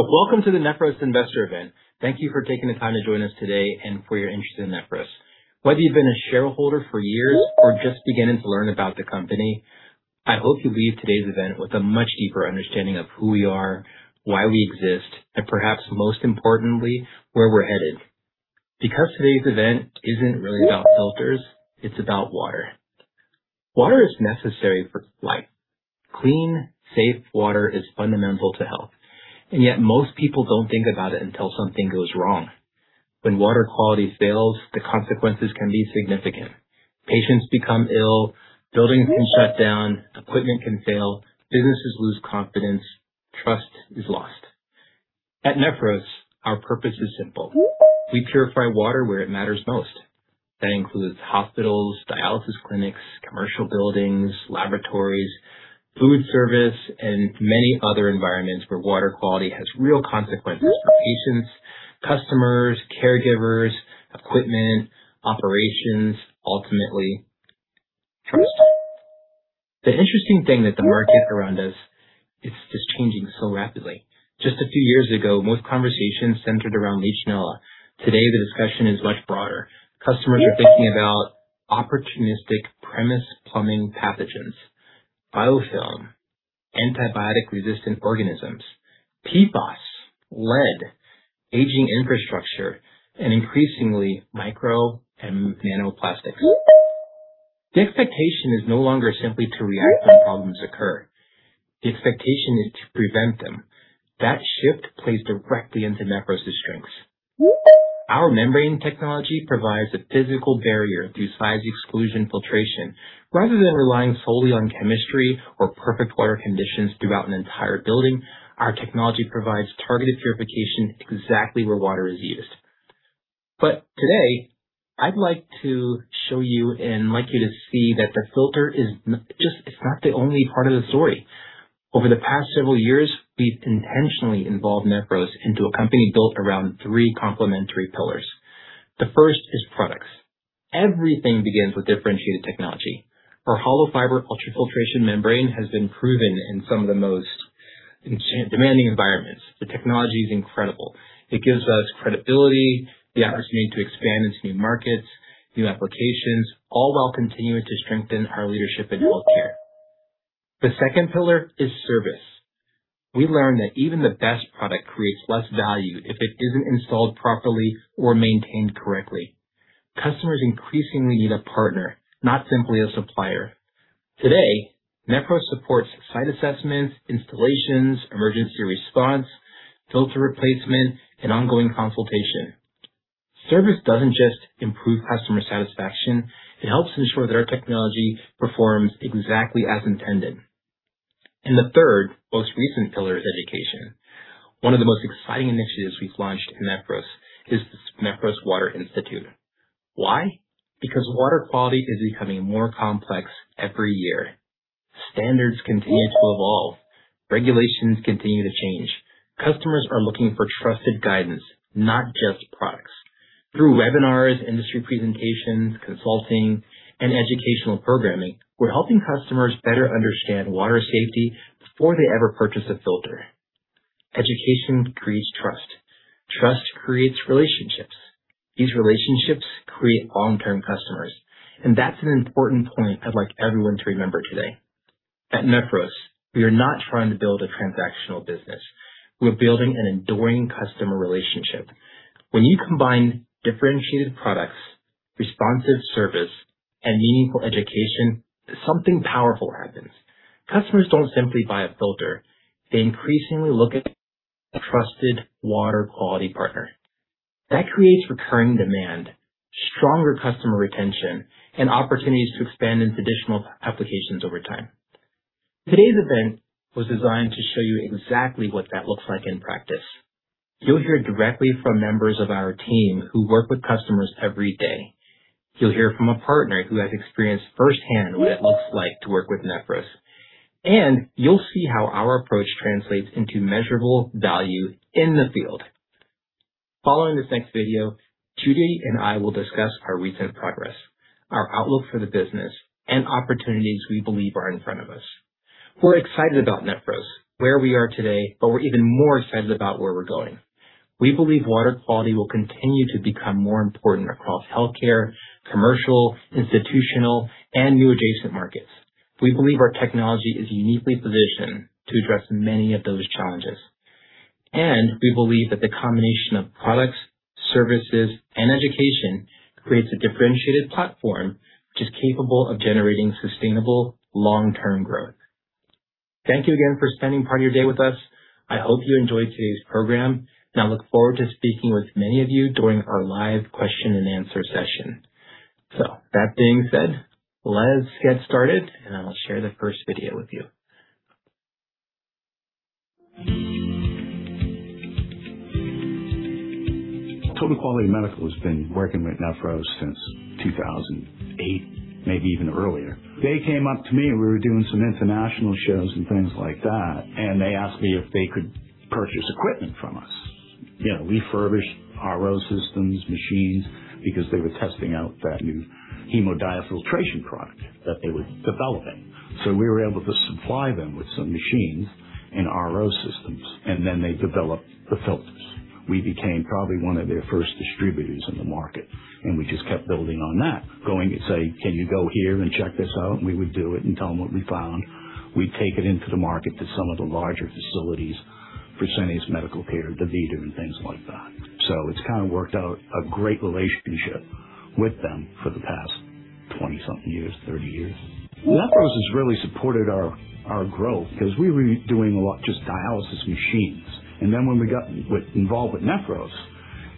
Welcome to the Nephros Investor Event. Thank you for taking the time to join us today and for your interest in Nephros. Whether you've been a shareholder for years or just beginning to learn about the company, I hope you leave today's event with a much deeper understanding of who we are, why we exist, and perhaps most importantly, where we're headed. Today's event isn't really about filters, it's about water. Water is necessary for life. Clean, safe water is fundamental to health, and yet most people don't think about it until something goes wrong. When water quality fails, the consequences can be significant. Patients become ill, buildings can shut down, equipment can fail, businesses lose confidence, trust is lost. At Nephros, our purpose is simple. We purify water where it matters most. That includes hospitals, dialysis clinics, commercial buildings, laboratories, food service, and many other environments where water quality has real consequences for patients, customers, caregivers, equipment, operations, ultimately, trust. The interesting thing that the market around us is just changing so rapidly. Just a few years ago, most conversations centered around Legionella. Today, the discussion is much broader. Customers are thinking about opportunistic premise plumbing pathogens, biofilm, antibiotic-resistant organisms, PFAS, lead, aging infrastructure, and increasingly, microplastics and nanoplastics. The expectation is no longer simply to react when problems occur. The expectation is to prevent them. That shift plays directly into Nephros' strengths. Our membrane technology provides a physical barrier through size exclusion filtration. Rather than relying solely on chemistry or perfect water conditions throughout an entire building, our technology provides targeted purification exactly where water is used. Today, I'd like to show you and like you to see that the filter is not the only part of the story. Over the past several years, we've intentionally evolved Nephros into a company built around three complementary pillars. The first is products. Everything begins with differentiated technology. Our hollow fiber ultrafiltration membrane has been proven in some of the most demanding environments. The technology is incredible. It gives us credibility, the opportunity to expand into new markets, new applications, all while continuing to strengthen our leadership in healthcare. The second pillar is service. We learned that even the best product creates less value if it isn't installed properly or maintained correctly. Customers increasingly need a partner, not simply a supplier. Today, Nephros supports site assessments, installations, emergency response, filter replacement, and ongoing consultation. Service doesn't just improve customer satisfaction, it helps ensure that our technology performs exactly as intended. The third, most recent pillar, is education. One of the most exciting initiatives we've launched at Nephros is the Nephros Water Institute. Why? Water quality is becoming more complex every year. Standards continue to evolve. Regulations continue to change. Customers are looking for trusted guidance, not just products. Through webinars, industry presentations, consulting, and educational programming, we're helping customers better understand water safety before they ever purchase a filter. Education creates trust. Trust creates relationships. These relationships create long-term customers, and that's an important point I'd like everyone to remember today. At Nephros, we are not trying to build a transactional business. We're building an enduring customer relationship. When you combine differentiated products, responsive service, and meaningful education, something powerful happens. Customers don't simply buy a filter. They increasingly look at a trusted water quality partner. That creates recurring demand, stronger customer retention, and opportunities to expand into additional applications over time. Today's event was designed to show you exactly what that looks like in practice. You'll hear directly from members of our team who work with customers every day. You'll hear from a partner who has experienced firsthand what it looks like to work with Nephros, and you'll see how our approach translates into measurable value in the field. Following this next video, Judy and I will discuss our recent progress, our outlook for the business, and opportunities we believe are in front of us. We're excited about Nephros, where we are today, we're even more excited about where we're going. We believe water quality will continue to become more important across healthcare, commercial, institutional, and new adjacent markets. We believe our technology is uniquely positioned to address many of those challenges, we believe that the combination of products, services, and education creates a differentiated platform which is capable of generating sustainable long-term growth. Thank you again for spending part of your day with us. I hope you enjoy today's program, I look forward to speaking with many of you during our live question and answer session. That being said, let's get started, I will share the first video with you. Total Quality Medical has been working with Nephros since 2008, maybe even earlier. They came up to me. We were doing some international shows and things like that, they asked me if they could purchase equipment from us Refurbished RO systems machines because they were testing out that new hemodiafiltration product that they were developing. We were able to supply them with some machines and RO systems, they developed the filters. We became probably one of their first distributors in the market, we just kept building on that. Going and say, "Can you go here and check this out?" We would do it and tell them what we found. We take it into the market to some of the larger facilities, Fresenius Medical Care, DaVita, and things like that. It's kind of worked out a great relationship with them for the past 20-something years, 30 years. Nephros has really supported our growth because we were doing a lot just dialysis machines. When we got involved with Nephros,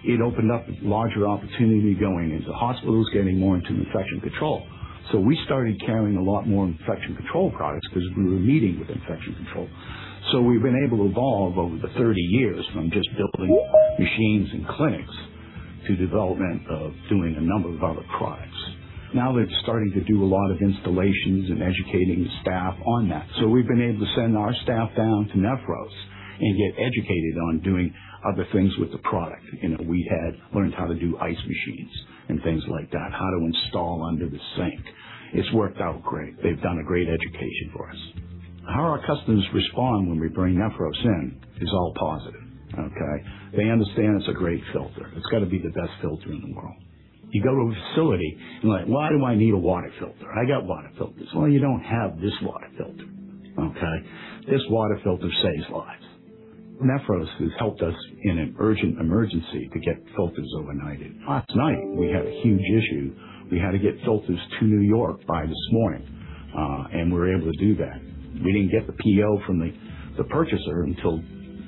it opened up larger opportunity going into hospitals, getting more into infection control. We started carrying a lot more infection control products because we were meeting with infection control. We've been able to evolve over the 30 years from just building machines and clinics to development of doing a number of other products. Now they're starting to do a lot of installations and educating staff on that. We've been able to send our staff down to Nephros and get educated on doing other things with the product. We had learned how to do ice machines and things like that, how to install under the sink. It's worked out great. They've done a great education for us. How our customers respond when we bring Nephros in is all positive. Okay? They understand it's a great filter. It's got to be the best filter in the world. You go to a facility and you're like, "Why do I need a water filter? I got water filters." Well, you don't have this water filter. Okay? This water filter saves lives. Nephros has helped us in an urgent emergency to get filters overnighted. Last night, we had a huge issue. We had to get filters to New York by this morning. We were able to do that. We didn't get the PO from the purchaser until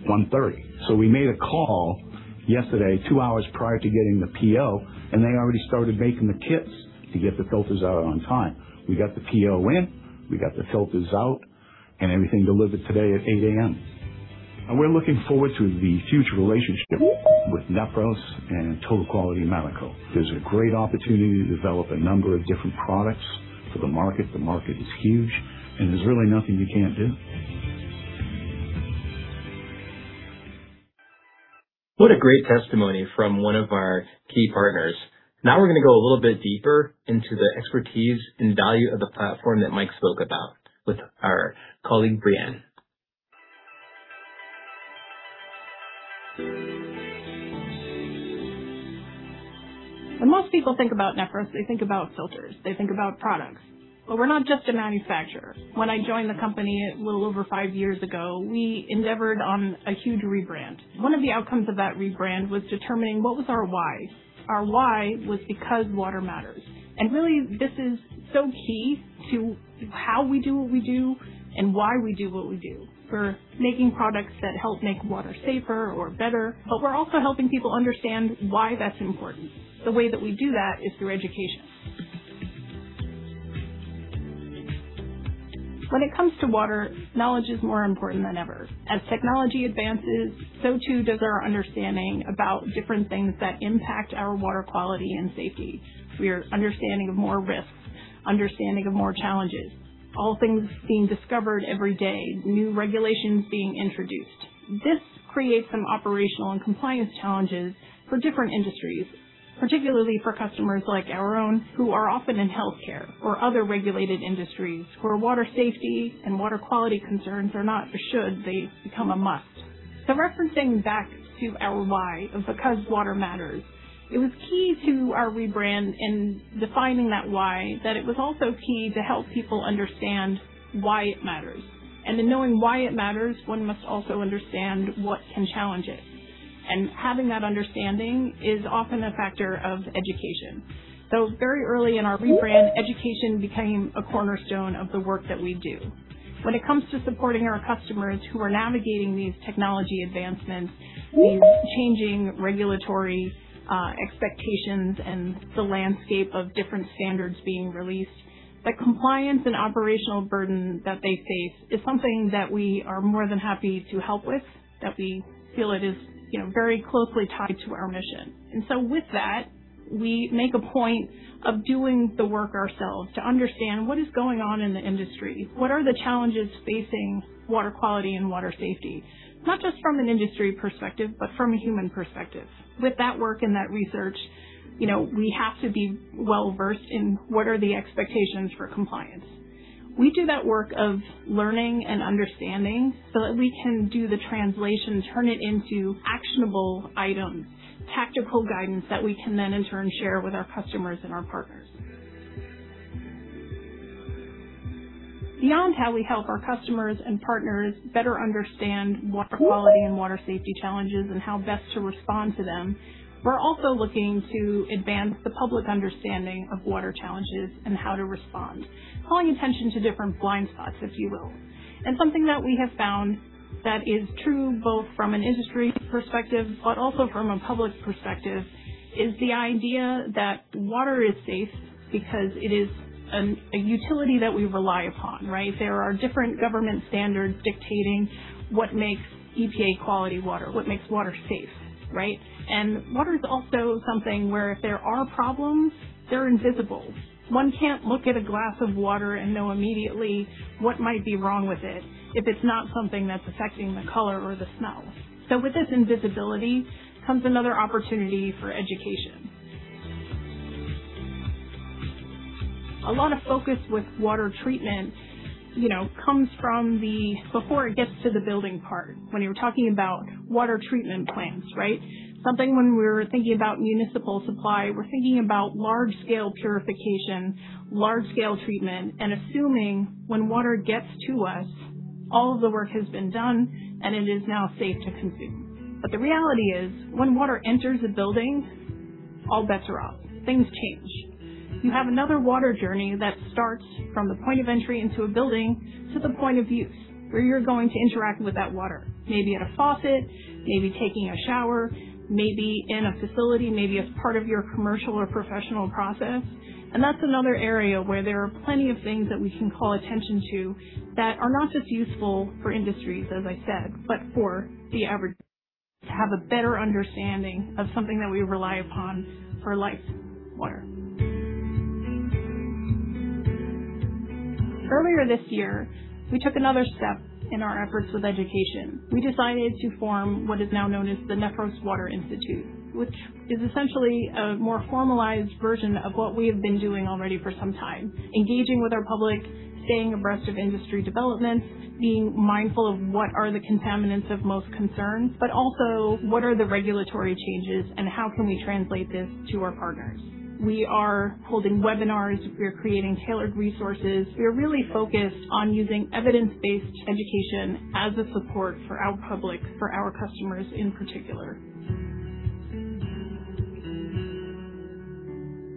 1:30. We made a call yesterday, two hours prior to getting the PO, and they already started making the kits to get the filters out on time. We got the PO in, we got the filters out, and everything delivered today at 8:00 A.M. We're looking forward to the future relationship with Nephros and Total Quality Medical. There's a great opportunity to develop a number of different products for the market. The market is huge, and there's really nothing we can't do. What a great testimony from one of our key partners. Now we're going to go a little bit deeper into the expertise and value of the platform that Mike spoke about with our colleague, Brianne. When most people think about Nephros, they think about filters. They think about products. We're not just a manufacturer. When I joined the company a little over five years ago, we endeavored on a huge rebrand. One of the outcomes of that rebrand was determining what was our why. Our why was because water matters. Really, this is so key to how we do what we do and why we do what we do. We're making products that help make water safer or better, but we're also helping people understand why that's important. The way that we do that is through education. When it comes to water, knowledge is more important than ever. As technology advances, so too does our understanding about different things that impact our water quality and safety. Your understanding of more risks, understanding of more challenges, all things being discovered every day, new regulations being introduced. This creates some operational and compliance challenges for different industries, particularly for customers like our own, who are often in healthcare or other regulated industries where water safety and water quality concerns are not a should, they've become a must. Referencing back to our why of because water matters, it was key to our rebrand in defining that why, that it was also key to help people understand why it matters. In knowing why it matters, one must also understand what can challenge it. Having that understanding is often a factor of education. Very early in our rebrand, education became a cornerstone of the work that we do. When it comes to supporting our customers who are navigating these technology advancements, these changing regulatory expectations, and the landscape of different standards being released, the compliance and operational burden that they face is something that we are more than happy to help with, that we feel it is very closely tied to our mission. With that, we make a point of doing the work ourselves to understand what is going on in the industry. What are the challenges facing water quality and water safety? Not just from an industry perspective, but from a human perspective. With that work and that research, we have to be well-versed in what are the expectations for compliance. We do that work of learning and understanding so that we can do the translation, turn it into actionable items, tactical guidance that we can then in turn share with our customers and our partners. Beyond how we help our customers and partners better understand water quality and water safety challenges and how best to respond to them, we're also looking to advance the public understanding of water challenges and how to respond, calling attention to different blind spots, if you will. Something that we have found that is true both from an industry perspective but also from a public perspective, is the idea that water is safe because it is a utility that we rely upon, right? There are different government standards dictating what makes EPA quality water, what makes water safe, right? Water is also something where if there are problems, they're invisible. One can't look at a glass of water and know immediately what might be wrong with it if it's not something that's affecting the color or the smell. With this invisibility comes another opportunity for education. A lot of focus with water treatment comes from before it gets to the building part, when you're talking about water treatment plants, right? Something when we're thinking about municipal supply, we're thinking about large-scale purification, large-scale treatment, and assuming when water gets to us, all of the work has been done and it is now safe to consume. The reality is, when water enters a building, all bets are off. Things change. You have another water journey that starts from the point of entry into a building to the point of use, where you're going to interact with that water, maybe at a faucet, maybe taking a shower, maybe in a facility, maybe as part of your commercial or professional process. That's another area where there are plenty of things that we can call attention to that are not just useful for industries, as I said, but for the average, to have a better understanding of something that we rely upon for life, water. Earlier this year, we took another step in our efforts with education. We decided to form what is now known as the Nephros Water Institute, which is essentially a more formalized version of what we have been doing already for some time, engaging with our public, staying abreast of industry developments, being mindful of what are the contaminants of most concern, but also what are the regulatory changes and how can we translate this to our partners. We are holding webinars. We are creating tailored resources. We are really focused on using evidence-based education as a support for our public, for our customers in particular.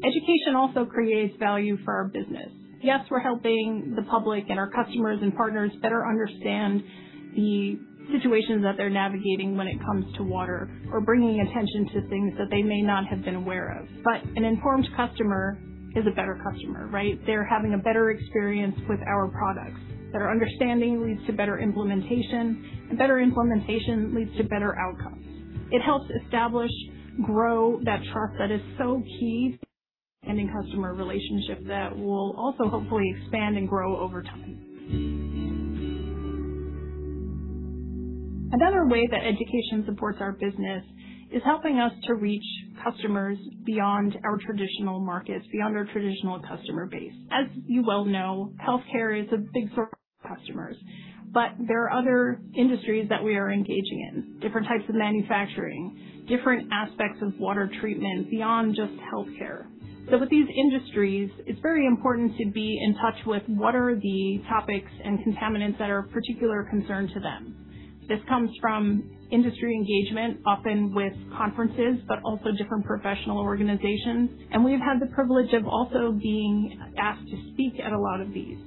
Education also creates value for our business. Yes, we're helping the public and our customers and partners better understand the situations that they're navigating when it comes to water or bringing attention to things that they may not have been aware of. An informed customer is a better customer, right? They're having a better experience with our products. Better understanding leads to better implementation. Better implementation leads to better outcomes. It helps establish, grow that trust that is so key in any customer relationship that will also hopefully expand and grow over time. Another way that education supports our business is helping us to reach customers beyond our traditional markets, beyond our traditional customer base. As you well know, healthcare is a big source of customers, but there are other industries that we are engaging in, different types of manufacturing, different aspects of water treatment beyond just healthcare. With these industries, it's very important to be in touch with what are the topics and contaminants that are of particular concern to them. This comes from industry engagement, often with conferences, but also different professional organizations. We've had the privilege of also being asked to speak at a lot of these.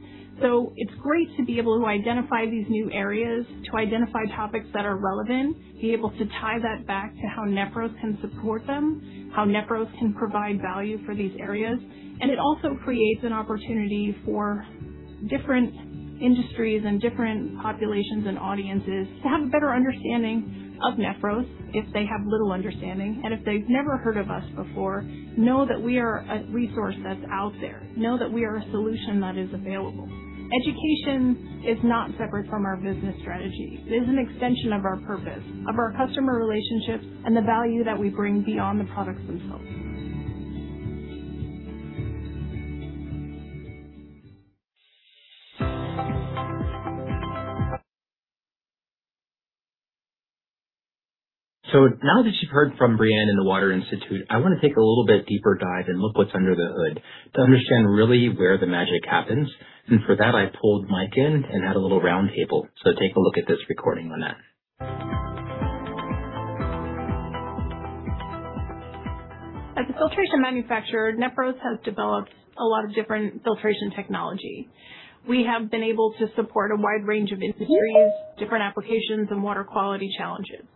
It's great to be able to identify these new areas, to identify topics that are relevant, be able to tie that back to how Nephros can support them, how Nephros can provide value for these areas. It also creates an opportunity for different industries and different populations and audiences to have a better understanding of Nephros, if they have little understanding, and if they've never heard of us before, know that we are a resource that's out there, know that we are a solution that is available. Education is not separate from our business strategy. It is an extension of our purpose, of our customer relationships, and the value that we bring beyond the products themselves. Now that you've heard from Brianne and the Water Institute, I want to take a little bit deeper dive and look what's under the hood to understand really where the magic happens. For that, I pulled Mike in and had a little round table. Take a look at this recording on that. As a filtration manufacturer, Nephros has developed a lot of different filtration technology. We have been able to support a wide range of industries, different applications, and water quality challenges.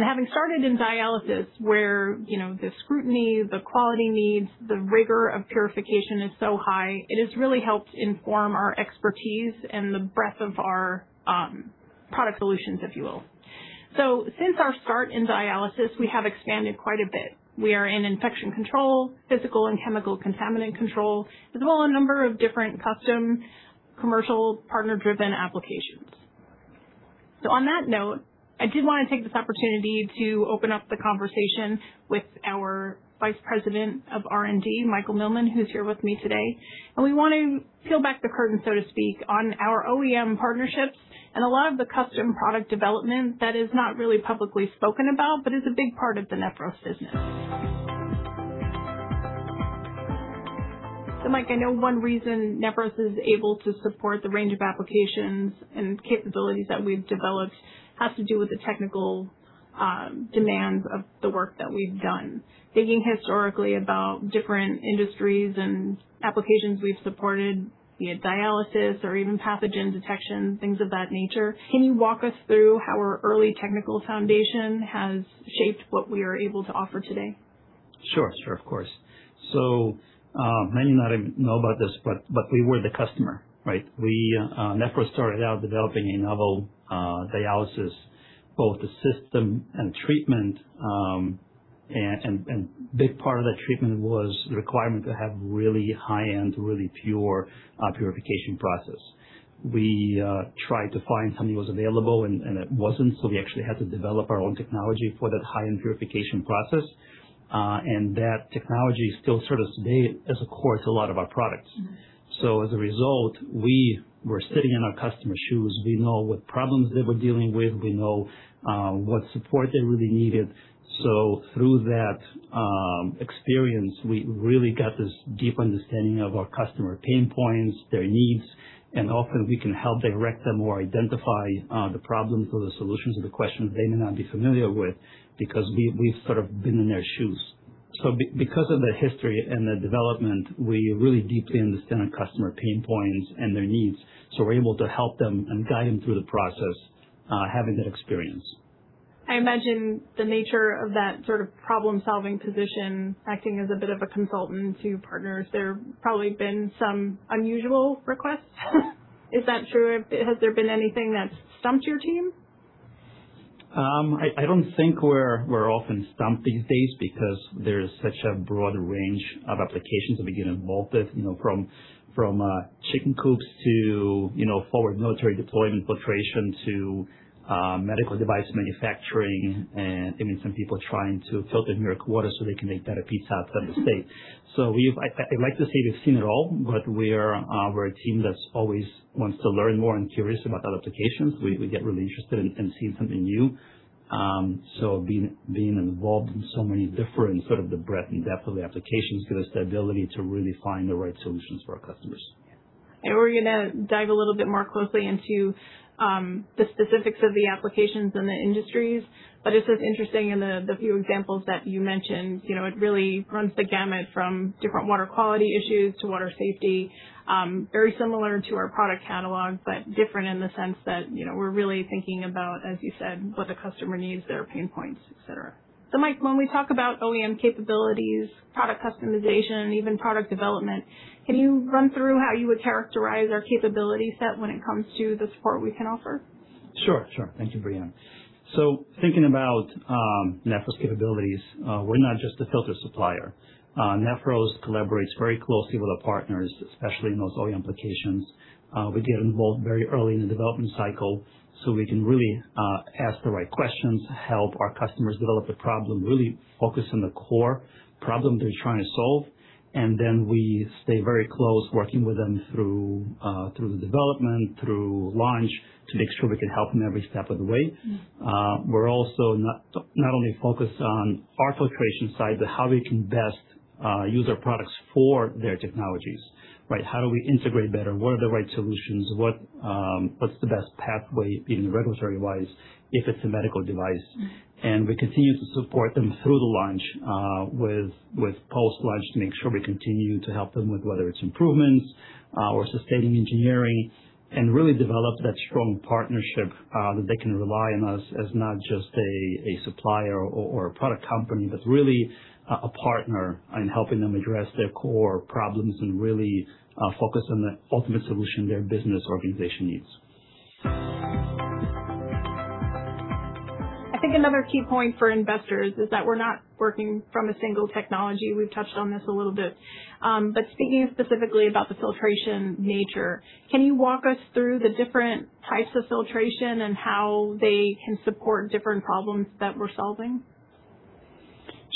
Having started in dialysis, where the scrutiny, the quality needs, the rigor of purification is so high, it has really helped inform our expertise and the breadth of our product solutions, if you will. Since our start in dialysis, we have expanded quite a bit. We are in infection control, physical and chemical contaminant control, as well a number of different custom commercial partner-driven applications. On that note, I did want to take this opportunity to open up the conversation with our Vice President of R&D, Michael Milman, who's here with me today. We want to peel back the curtain, so to speak, on our OEM partnerships and a lot of the custom product development that is not really publicly spoken about, but is a big part of the Nephros business. Mike, I know one reason Nephros is able to support the range of applications and capabilities that we've developed has to do with the technical demands of the work that we've done. Thinking historically about different industries and applications we've supported, be it dialysis or even pathogen detection, things of that nature, can you walk us through how our early technical foundation has shaped what we are able to offer today? Sure. Of course. Many might not know about this, but we were the customer, right? Nephros started out developing a novel dialysis, both the system and treatment, and big part of that treatment was the requirement to have really high-end, really pure purification process. We tried to find something that was available, and it wasn't, so we actually had to develop our own technology for that high-end purification process. That technology still sort of stays as a core to a lot of our products. As a result, we were sitting in our customers' shoes. We know what problems they were dealing with. We know what support they really needed. Through that experience, we really got this deep understanding of our customer pain points, their needs, and often we can help direct them or identify the problems or the solutions or the questions they may not be familiar with because we've sort of been in their shoes. Because of the history and the development, we really deeply understand our customer pain points and their needs, we're able to help them and guide them through the process, having that experience. I imagine the nature of that sort of problem-solving position, acting as a bit of a consultant to partners, there probably been some unusual requests. Is that true? Has there been anything that's stumped your team? I don't think we're often stumped these days because there's such a broad range of applications that we get involved with, from chicken coops to forward military deployment filtration to medical device manufacturing, and even some people trying to filter New York water so they can make better pizza upstate. I'd like to say we've seen it all, we're a team that always wants to learn more and curious about other applications. We get really interested in seeing something new. Being involved in so many different sort of the breadth and depth of the applications gives us the ability to really find the right solutions for our customers. We're going to dive a little bit more closely into the specifics of the applications and the industries. It's just interesting in the few examples that you mentioned, it really runs the gamut from different water quality issues to water safety. Very similar to our product catalog, but different in the sense that we're really thinking about, as you said, what the customer needs, their pain points, et cetera. Mike, when we talk about OEM capabilities, product customization, and even product development, can you run through how you would characterize our capability set when it comes to the support we can offer? Thank you, Brianne. Thinking about Nephros capabilities, we're not just a filter supplier. Nephros collaborates very closely with our partners, especially in those OEM applications. We get involved very early in the development cycle so we can really ask the right questions, help our customers develop the problem, really focus on the core problem they're trying to solve. Then we stay very close, working with them through the development, through launch, to make sure we can help them every step of the way. We're also not only focused on our filtration side, but how we can best use our products for their technologies, right? How do we integrate better? What are the right solutions? What's the best pathway, even regulatory-wise, if it's a medical device? We continue to support them through the launch with post-launch to make sure we continue to help them with whether it's improvements or sustaining engineering, really develop that strong partnership that they can rely on us as not just a supplier or a product company, but really a partner in helping them address their core problems, really focus on the ultimate solution their business organization needs. I think another key point for investors is that we're not working from a single technology. We've touched on this a little bit. Speaking specifically about the filtration nature, can you walk us through the different types of filtration and how they can support different problems that we're solving?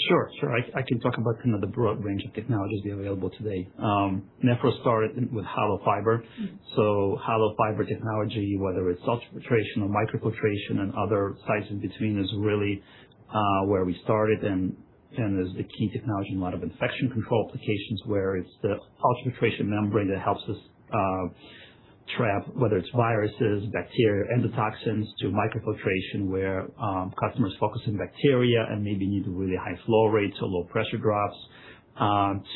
Sure. I can talk about the broad range of technologies available today. Nephros started with hollow fiber. Hollow fiber technology, whether it's ultrafiltration or microfiltration and other sites in between, is really where we started and is the key technology in a lot of infection control applications, where it's the ultrafiltration membrane that helps us trap, whether it's viruses, bacteria, endotoxins, to microfiltration, where customers focus on bacteria and maybe need really high flow rates or low pressure drops,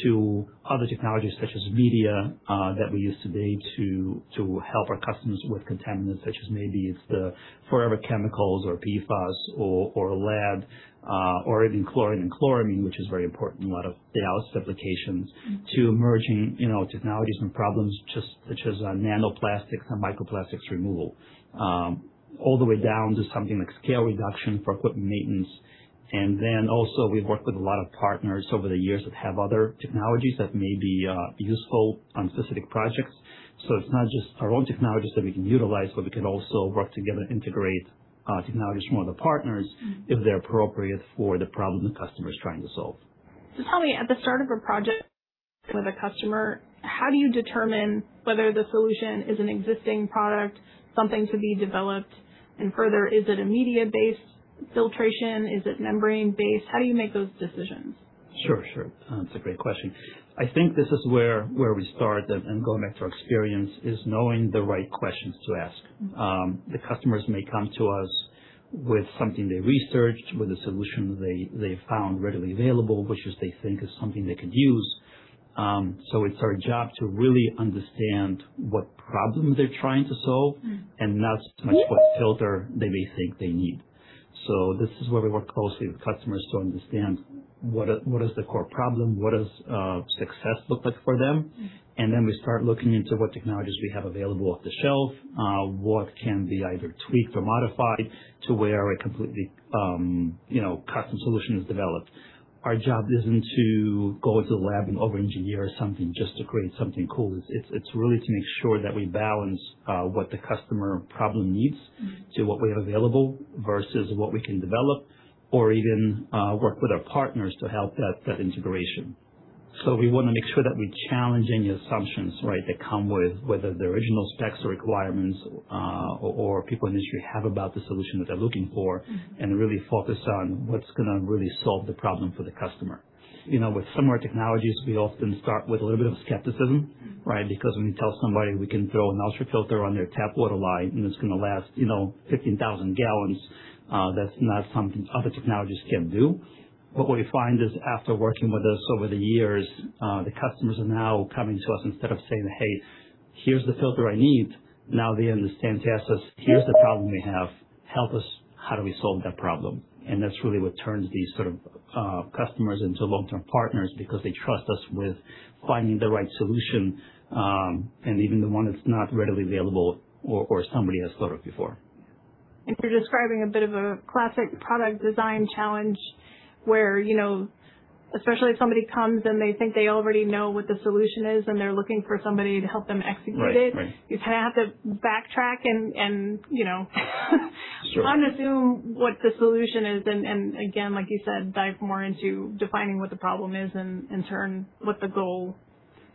to other technologies such as media that we use today to help our customers with contaminants. Such as maybe it's the forever chemicals or PFAS or lead, or even chlorine and chloramine, which is very important in a lot of dialysis applications, to emerging technologies and problems such as nanoplastics and microplastics removal, all the way down to something like scale reduction for equipment maintenance. We've worked with a lot of partners over the years that have other technologies that may be useful on specific projects. It's not just our own technologies that we can utilize, but we can also work together to integrate technologies from other partners, if they're appropriate for the problem the customer is trying to solve. Tell me, at the start of a project with a customer, how do you determine whether the solution is an existing product, something to be developed? Further, is it a media-based filtration? Is it membrane-based? How do you make those decisions? Sure. That's a great question. I think this is where we start, and going back to our experience, is knowing the right questions to ask. The customers may come to us with something they researched, with a solution they found readily available, which they think is something they could use. It's our job to really understand what problem they're trying to solve. Not so much what filter they may think they need. This is where we work closely with customers to understand what is the core problem, what does success look like for them. We start looking into what technologies we have available off the shelf, what can be either tweaked or modified to where a completely custom solution is developed. Our job isn't to go into the lab and over-engineer something just to create something cool. It's really to make sure that we balance what the customer problem needs to what we have available, versus what we can develop or even work with our partners to help that integration. We want to make sure that we're challenging the assumptions, right, that come with whether the original specs or requirements, or people in the industry have about the solution that they're looking for, and really focus on what's going to really solve the problem for the customer. With some of our technologies, we often start with a little bit of skepticism, right? When you tell somebody we can throw an ultrafilter on their tap water line, and it's going to last 15,000 gallons, that's not something other technologies can do. What we find is, after working with us over the years, the customers are now coming to us instead of saying, "Hey, here's the filter I need." Now they understand to ask us, "Here's the problem we have. Help us. How do we solve that problem?" That's really what turns these sort of customers into long-term partners because they trust us with finding the right solution, and even the one that's not readily available or somebody has thought of before. You're describing a bit of a classic product design challenge where, especially if somebody comes, and they think they already know what the solution is, and they're looking for somebody to help them execute it. Right. You kind of have to backtrack and- Sure. unassume what the solution is, again, like you said, dive more into defining what the problem is, and in turn, what the goal,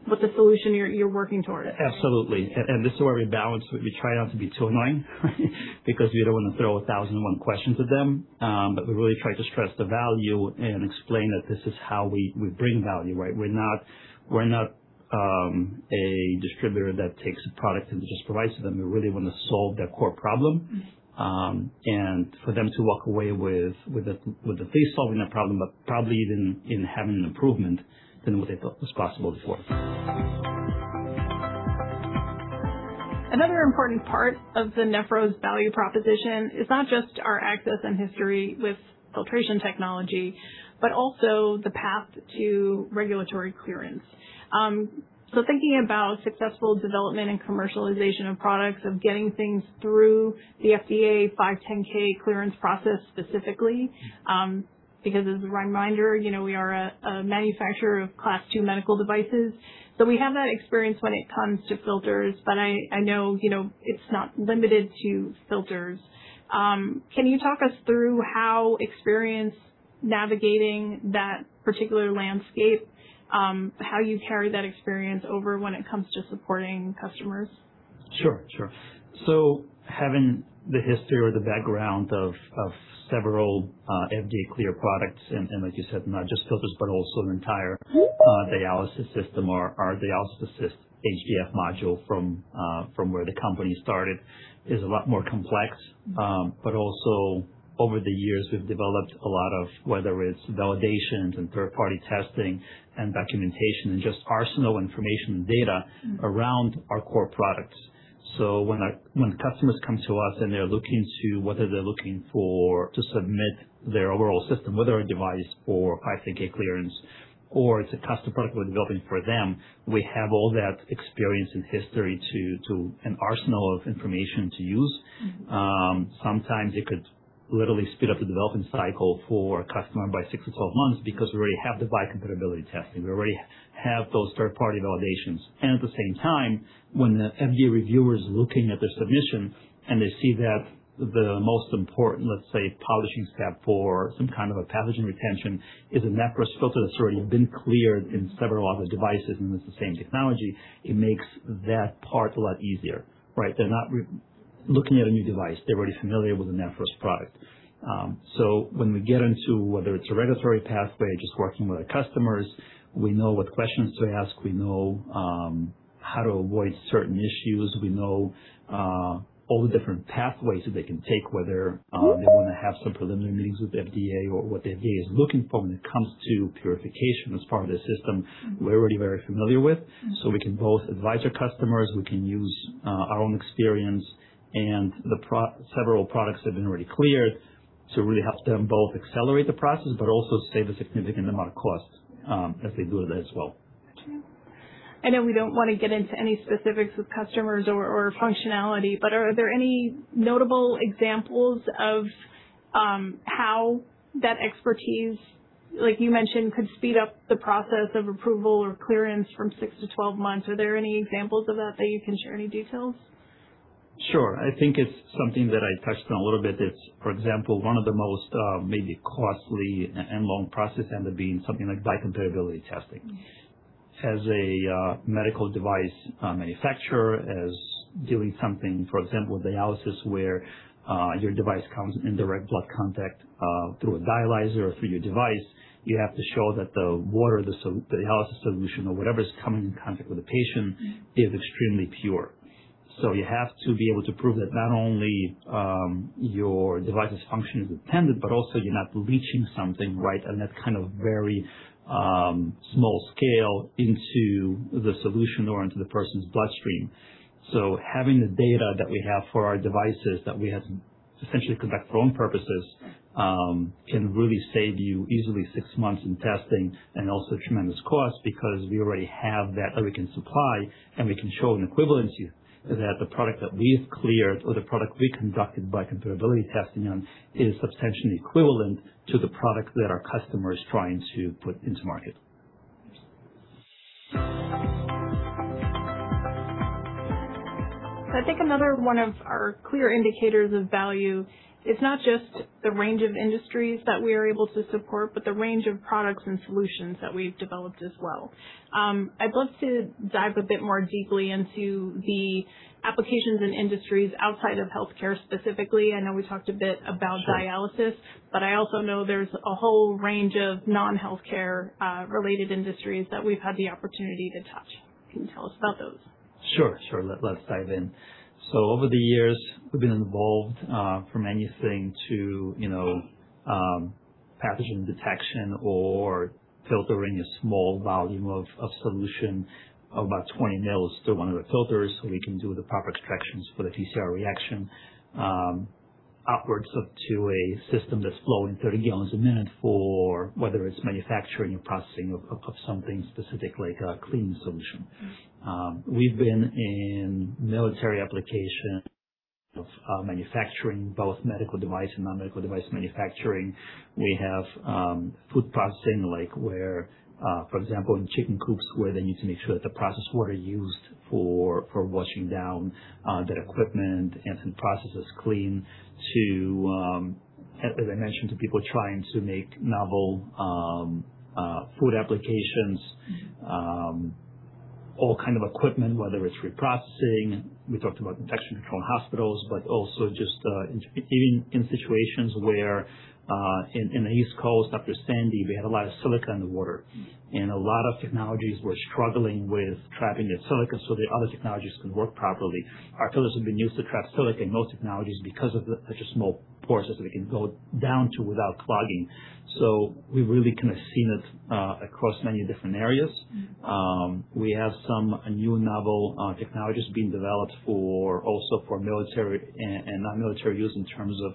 what the solution you're working towards. Absolutely. This is where we balance. We try not to be too annoying because we don't want to throw 1,001 questions at them. We really try to stress the value and explain that this is how we bring value, right? We're not a distributor that takes a product and just provides it to them. We really want to solve their core problem, and for them to walk away with at least solving that problem, but probably even having an improvement than what they thought was possible before. Another important part of the Nephros value proposition is not just our access and history with filtration technology, but also the path to regulatory clearance. Thinking about successful development and commercialization of products, of getting things through the FDA 510(k) clearance process specifically, because as a reminder we are a manufacturer of Class II medical devices. We have that experience when it comes to filters, but I know it's not limited to filters. Can you talk us through how experience navigating that particular landscape, how you carry that experience over when it comes to supporting customers? Sure. Having the history or the background of several FDA cleared products and, like you said, not just filters, but also the entire dialysis system or our dialysis HDF module from where the company started is a lot more complex. Also over the years, we've developed a lot of, whether it's validations and third-party testing and documentation, and just arsenal information and data around our core products. When customers come to us, and they're looking to submit their overall system, whether a device for 510(k) clearance or it's a custom product we're developing for them, we have all that experience and history to an arsenal of information to use. Sometimes it could literally speed up the development cycle for a customer by 6-12 months because we already have the biocompatibility testing. We already have those third-party validations. At the same time, when the FDA reviewer is looking at the submission, and they see that the most important, let's say, polishing step for some kind of a pathogen retention is a Nephros filter that's already been cleared in several other devices, and it's the same technology, it makes that part a lot easier, right? They're not looking at a new device. They're already familiar with the Nephros product. When we get into whether it's a regulatory pathway, just working with our customers, we know what questions to ask, we know how to avoid certain issues. We know all the different pathways that they can take, whether they want to have some preliminary meetings with the FDA or what the FDA is looking for when it comes to purification as part of their system, we're already very familiar with. We can both advise our customers, we can use our own experience and several products that have been already cleared to really help them both accelerate the process, but also save a significant amount of cost as they do it as well. Got you. I know we don't want to get into any specifics with customers or functionality, but are there any notable examples of how that expertise, like you mentioned, could speed up the process of approval or clearance from 6-12 months? Are there any examples of that that you can share any details? Sure. I think it's something that I touched on a little bit. It's, for example, one of the most maybe costly and long process end up being something like biocompatibility testing. As a medical device manufacturer, as doing something, for example, with dialysis, where your device comes in direct blood contact through a dialyzer or through your device, you have to show that the water, the dialysis solution or whatever is coming in contact with the patient is extremely pure. You have to be able to prove that not only your device's function is intended, but also you're not leaching something, right, on that kind of very small scale into the solution or into the person's bloodstream. Having the data that we have for our devices that we had essentially conduct for own purposes. Right. It can really save you easily six months in testing and also tremendous cost because we already have that, or we can supply, and we can show an equivalency that the product that we've cleared or the product we conducted biocompatibility testing on is substantially equivalent to the product that our customer is trying to put into market. I think another one of our clear indicators of value is not just the range of industries that we are able to support, but the range of products and solutions that we've developed as well. I'd love to dive a bit more deeply into the applications and industries outside of healthcare specifically. I know we talked a bit about dialysis, but I also know there's a whole range of non-healthcare related industries that we've had the opportunity to touch. Can you tell us about those? Sure. Let's dive in. Over the years, we've been involved from anything to pathogen detection or filtering a small volume of solution of about 20 mils through one of the filters, so we can do the proper extractions for the PCR reaction, upwards up to a system that's flowing 30 gallons a minute for whether it's manufacturing or processing of something specific like a clean solution. We've been in military application of manufacturing, both medical device and non-medical device manufacturing. We have food processing, like where, for example, in chicken coops where they need to make sure that the process water used for washing down their equipment and processes clean to, as I mentioned to people trying to make novel food applications. All kind of equipment, whether it's reprocessing. We talked about infection control in hospitals, but also just even in situations where, in the East Coast after Hurricane Sandy, we had a lot of silica in the water. A lot of technologies were struggling with trapping the silica, so the other technologies can work properly. Our filters have been used to trap silica in most technologies because of the such a small pore size that we can go down to without clogging. We really kind of seen it across many different areas. We have some new novel technologies being developed also for military and non-military use in terms of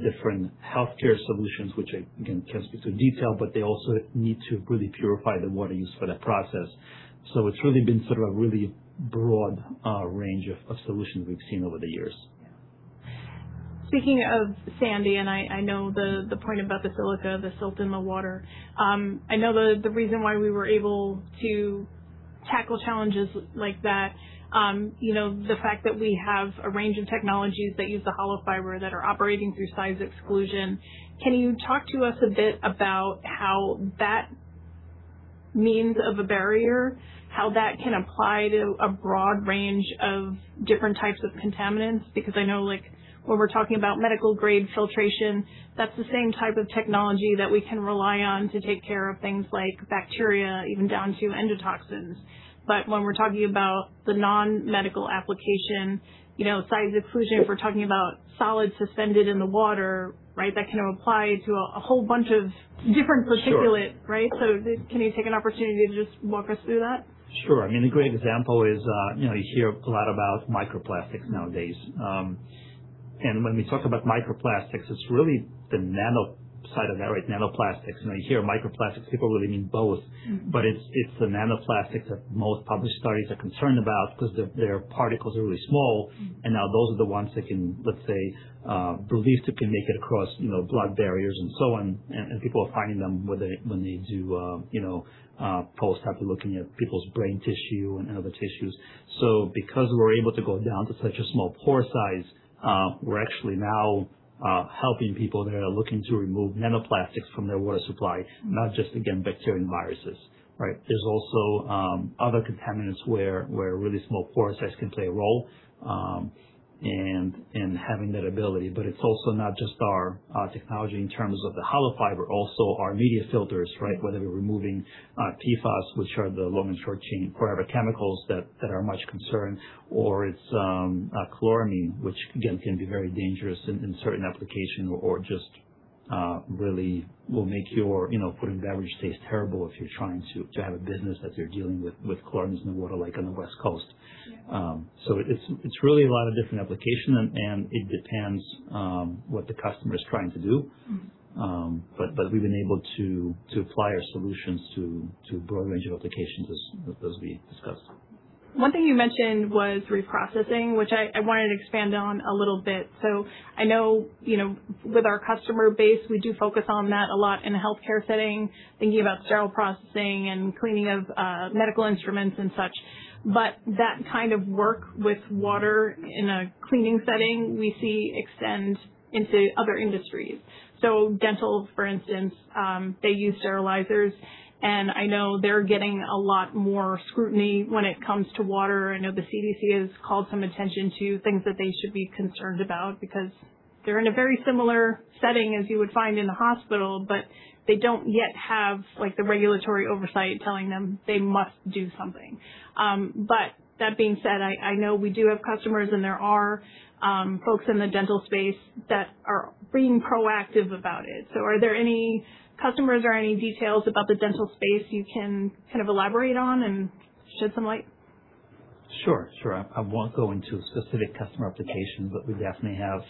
different healthcare solutions, which, again, can't speak to in detail, but they also need to really purify the water used for that process. It's really been sort of a really broad range of solutions we've seen over the years. Yeah. Speaking of Sandy. I know the point about the silica, the silt in the water. I know the reason why we were able to tackle challenges like that, the fact that we have a range of technologies that use the hollow fiber that are operating through size exclusion. Can you talk to us a bit about how that means of a barrier, how that can apply to a broad range of different types of contaminants? Because I know, like, when we're talking about medical grade filtration, that's the same type of technology that we can rely on to take care of things like bacteria, even down to endotoxins. But when we're talking about the non-medical application, size exclusion, if we're talking about solids suspended in the water, that can apply to a whole bunch of different particulates, right? Sure. Can you take an opportunity to just walk us through that? Sure. I mean, a great example is you hear a lot about microplastics nowadays. When we talk about microplastics, it's really the nano side of that, nanoplastics. You hear microplastics, people really mean both. It's the nanoplastics that most published studies are concerned about because their particles are really small. Now those are the ones that can, let's say, believed to can make it across blood barriers and so on, and people are finding them when they do post-hoc, looking at people's brain tissue and other tissues. Because we're able to go down to such a small pore size, we're actually now helping people that are looking to remove nanoplastics from their water supply. Not just, again, bacteria and viruses, right? There's also other contaminants where really small pore size can play a role, and having that ability. It's also not just our technology in terms of the hollow fiber, also our media filters, right? Whether we're removing PFAS, which are the long and short chain forever chemicals that are much concerned, or it's chloramine, which again, can be very dangerous in certain application or just really will make your food and beverage taste terrible if you're trying to have a business that you're dealing with chloramines in the water, like on the West Coast. Yeah. It's really a lot of different application, and it depends what the customer is trying to do. We've been able to apply our solutions to a broad range of applications as those we discussed. One thing you mentioned was reprocessing, which I wanted to expand on a little bit. I know with our customer base, we do focus on that a lot in a healthcare setting- Yeah. thinking about sterile processing and cleaning of medical instruments and such. That kind of work with water in a cleaning setting, we see extend into other industries. Dental, for instance, they use sterilizers, and I know they're getting a lot more scrutiny when it comes to water. I know the CDC has called some attention to things that they should be concerned about because they're in a very similar setting as you would find in the hospital, but they don't yet have the regulatory oversight telling them they must do something. That being said, I know we do have customers, and there are folks in the dental space that are being proactive about it. Are there any customers or any details about the dental space you can kind of elaborate on and shed some light? Sure. I won't go into specific customer applications, but we definitely have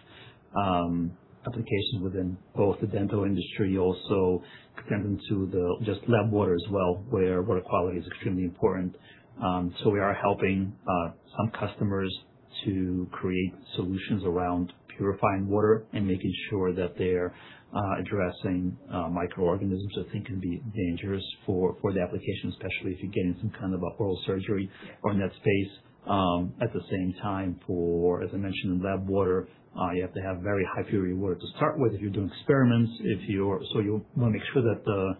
applications within both the dental industry, also extending to the just lab water as well, where water quality is extremely important. We are helping some customers to create solutions around purifying water and making sure that they're addressing microorganisms that they think can be dangerous for the application, especially if you're getting some kind of oral surgery or in that space. At the same time for, as I mentioned, in lab water, you have to have very high purity water to start with if you're doing experiments. You want to make sure that the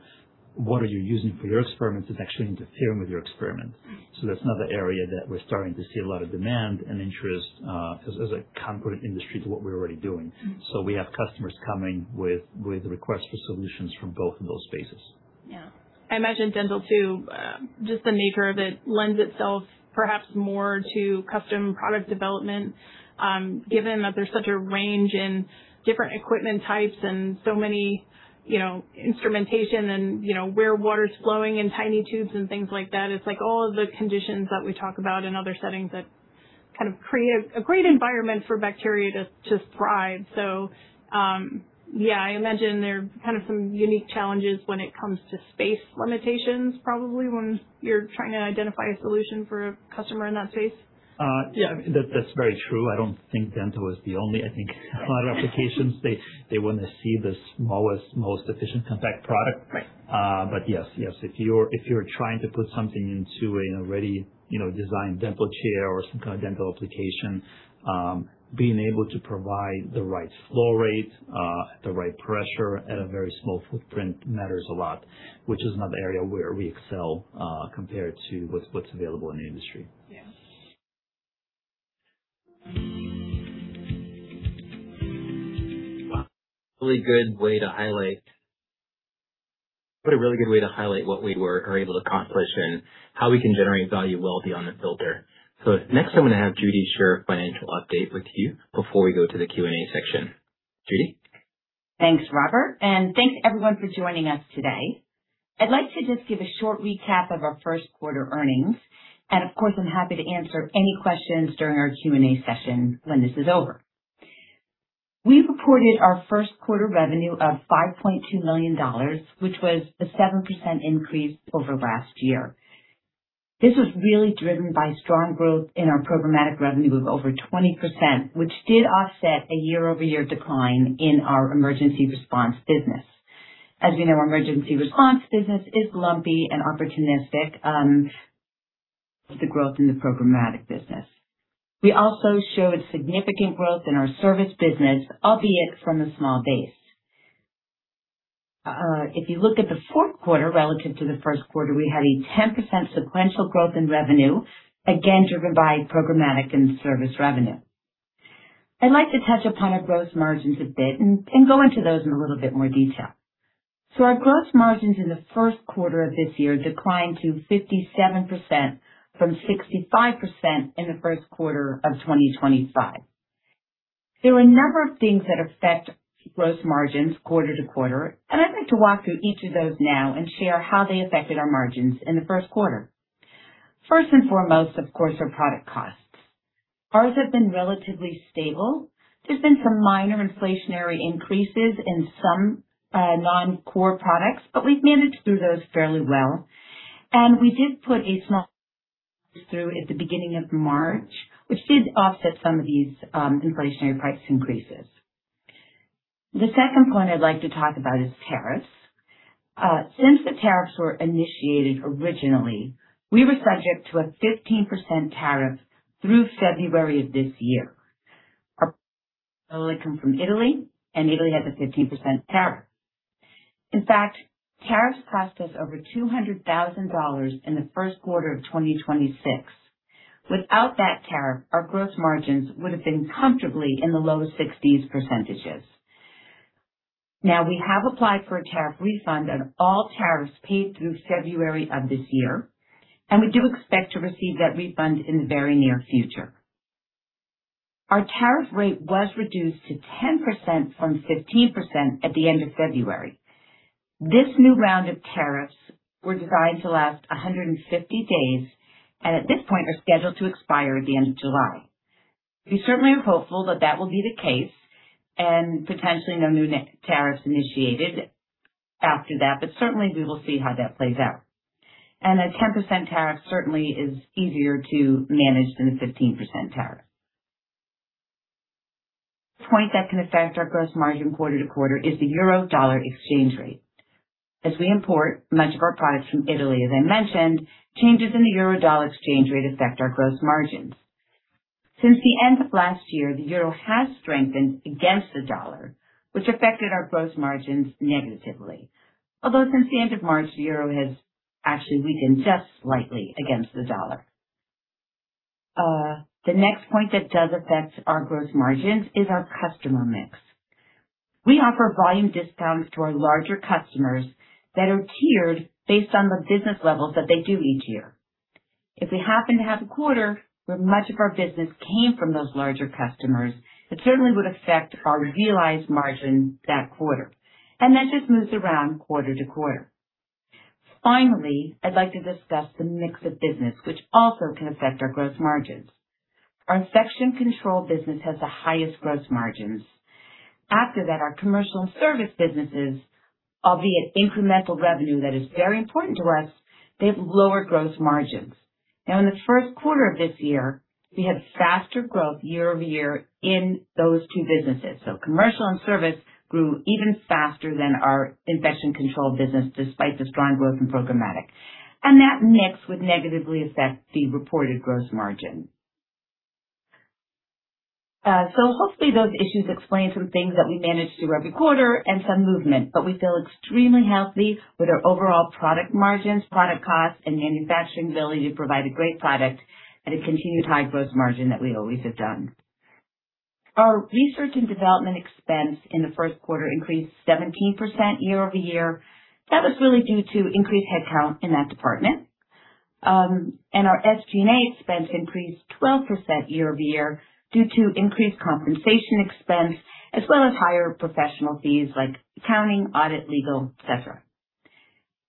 water you're using for your experiments is actually interfering with your experiments. That's another area that we're starting to see a lot of demand and interest, as a complement industry to what we're already doing. We have customers coming with requests for solutions from both of those spaces. Yeah. I imagine dental too, just the nature of it lends itself perhaps more to custom product development, given that there's such a range in different equipment types and so many instrumentation and where water's flowing in tiny tubes and things like that. It's like all of the conditions that we talk about in other settings that kind of create a great environment for bacteria to thrive. Yeah, I imagine there are some unique challenges when it comes to space limitations, probably when you're trying to identify a solution for a customer in that space. Yeah. That's very true. I don't think dental is the only I think a lot of applications, they want to see the smallest, most efficient compact product. Right. Yes. If you're trying to put something into an already designed dental chair or some kind of dental application, being able to provide the right flow rate, the right pressure at a very small footprint matters a lot, which is another area where we excel, compared to what's available in the industry. Yeah. Really good way to highlight what we were able to accomplish and how we can generate value well beyond the filter. Next, I'm going to have Judy share a financial update with you before we go to the Q&A section. Judy? Thanks, Robert, and thanks everyone for joining us today. I'd like to just give a short recap of our first quarter earnings, and of course, I'm happy to answer any questions during our Q&A session when this is over. We reported our first quarter revenue of $5.2 million, which was a 7% increase over last year. This was really driven by strong growth in our programmatic revenue of over 20%, which did offset a year-over-year decline in our emergency response business. As you know, emergency response business is lumpy and opportunistic. The growth in the programmatic business. We also showed significant growth in our service business, albeit from a small base. If you look at the fourth quarter relative to the first quarter, we had a 10% sequential growth in revenue, again, driven by programmatic and service revenue. I'd like to touch upon our gross margins a bit and go into those in a little bit more detail. Our gross margins in the first quarter of this year declined to 57% from 65% in the first quarter of 2025. There are a number of things that affect gross margins quarter-to-quarter, and I'd like to walk through each of those now and share how they affected our margins in the first quarter. First and foremost, of course, are product costs. Ours have been relatively stable. There's been some minor inflationary increases in some non-core products, but we've managed through those fairly well. We did put a small through at the beginning of March, which did offset some of these inflationary price increases. The second point I'd like to talk about is tariffs. Since the tariffs were initiated originally, we were subject to a 15% tariff through February of this year. Our come from Italy, and Italy has a 15% tariff. In fact, tariffs cost us over $200,000 in the first quarter of 2026. Without that tariff, our gross margins would have been comfortably in the low 60s percentages. We have applied for a tariff refund on all tariffs paid through February of this year, and we do expect to receive that refund in the very near future. Our tariff rate was reduced to 10% from 15% at the end of February. This new round of tariffs were designed to last 150 days and at this point are scheduled to expire at the end of July. We certainly are hopeful that that will be the case and potentially no new tariffs initiated after that, but certainly we will see how that plays out. A 10% tariff certainly is easier to manage than a 15% tariff. Point that can affect our gross margin quarter-to-quarter is the euro-dollar exchange rate. As we import much of our products from Italy, as I mentioned, changes in the euro-dollar exchange rate affect our gross margins. Since the end of last year, the euro has strengthened against the dollar, which affected our gross margins negatively. Since the end of March, the euro has actually weakened just slightly against the dollar. The next point that does affect our gross margins is our customer mix. We offer volume discounts to our larger customers that are tiered based on the business levels that they do each year. If we happen to have a quarter where much of our business came from those larger customers, it certainly would affect our realized margin that quarter, and that just moves around quarter-to-quarter. Finally, I'd like to discuss the mix of business, which also can affect our gross margins. Our infection control business has the highest gross margins. After that, our commercial and service businesses, albeit incremental revenue that is very important to us, they have lower gross margins. In the first quarter of this year, we had faster growth year-over-year in those two businesses. Commercial and service grew even faster than our infection control business, despite the strong growth in programmatic. That mix would negatively affect the reported gross margin. Hopefully those issues explain some things that we manage through every quarter and some movement. We feel extremely healthy with our overall product margins, product costs, and manufacturing ability to provide a great product at a continued high gross margin that we always have done. Our research and development expense in the first quarter increased 17% year-over-year. That was really due to increased headcount in that department. Our SG&A expense increased 12% year-over-year due to increased compensation expense as well as higher professional fees like accounting, audit, legal, et cetera.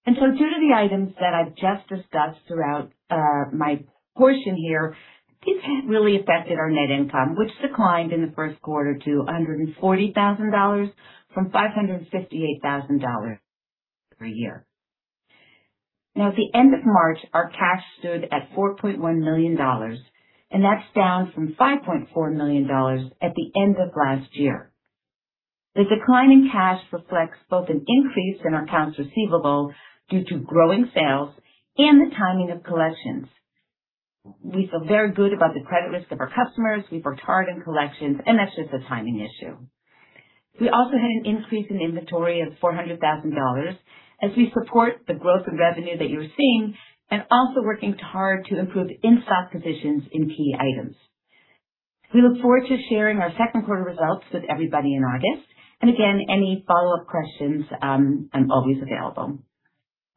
Due to the items that I've just discussed throughout my portion here, this has really affected our net income, which declined in the first quarter to $140,000 from $558,000 per year. At the end of March, our cash stood at $4.1 million, That's down from $5.4 million at the end of last year. The decline in cash reflects both an increase in accounts receivable due to growing sales and the timing of collections. We feel very good about the credit risk of our customers. We've worked hard in collections, That's just a timing issue. We also had an increase in inventory of $400,000 as we support the growth in revenue that you're seeing also working hard to improve in-stock positions in key items. We look forward to sharing our second quarter results with everybody in August. Again, any follow-up questions, I'm always available.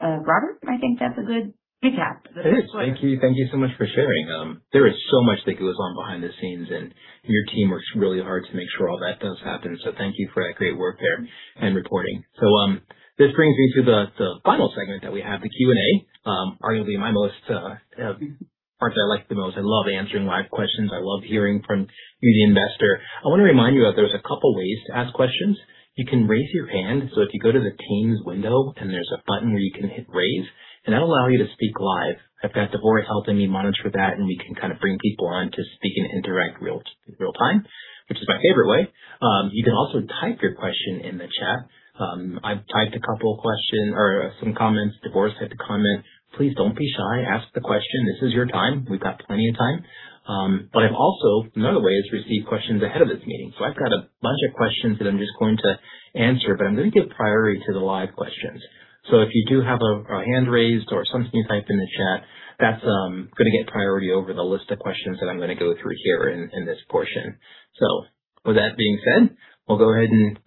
Robert, I think that's a good recap. It is. Thank you so much for sharing. There is so much that goes on behind the scenes, Your team works really hard to make sure all that does happen. Thank you for that great work there and reporting. This brings me to the final segment that we have, the Q&A, arguably my most parts I like the most. I love answering live questions. I love hearing from you, the investor. I want to remind you that there's a couple ways to ask questions. You can raise your hand, so if you go to the Teams window. There's a button where you can hit raise, That'll allow you to speak live. I've got Devora helping me monitor that, We can kind of bring people on to speak and interact real-time, which is my favorite way. You can also type your question in the chat. I've typed a couple question or some comments. Devora's had to comment. Please don't be shy. Ask the question. This is your time. We've got plenty of time. I've also, another way, is received questions ahead of this meeting. I've got a bunch of questions that I'm just going to answer, I'm going to give priority to the live questions. If you do have a hand raised or something typed in the chat, that's going to get priority over the list of questions that I'm going to go through here in this portion. With that being said, we'll go ahead and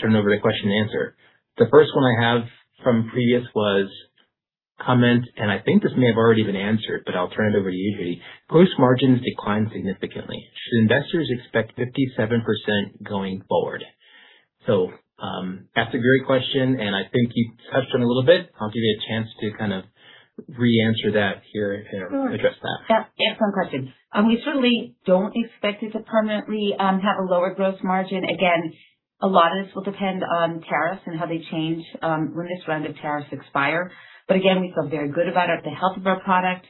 turn it over to question and answer. The first one I have from previous was, comment, I think this may have already been answered, but I'll turn it over to you, Judy. Gross margins declined significantly. Should investors expect 57% going forward? That's a great question, I think you touched on it a little bit. I'll give you a chance to kind of re-answer that here and address that. Sure. Excellent question. We certainly don't expect it to permanently have a lower gross margin. Again, a lot of this will depend on tariffs and how they change when this round of tariffs expire. We feel very good about the health of our product,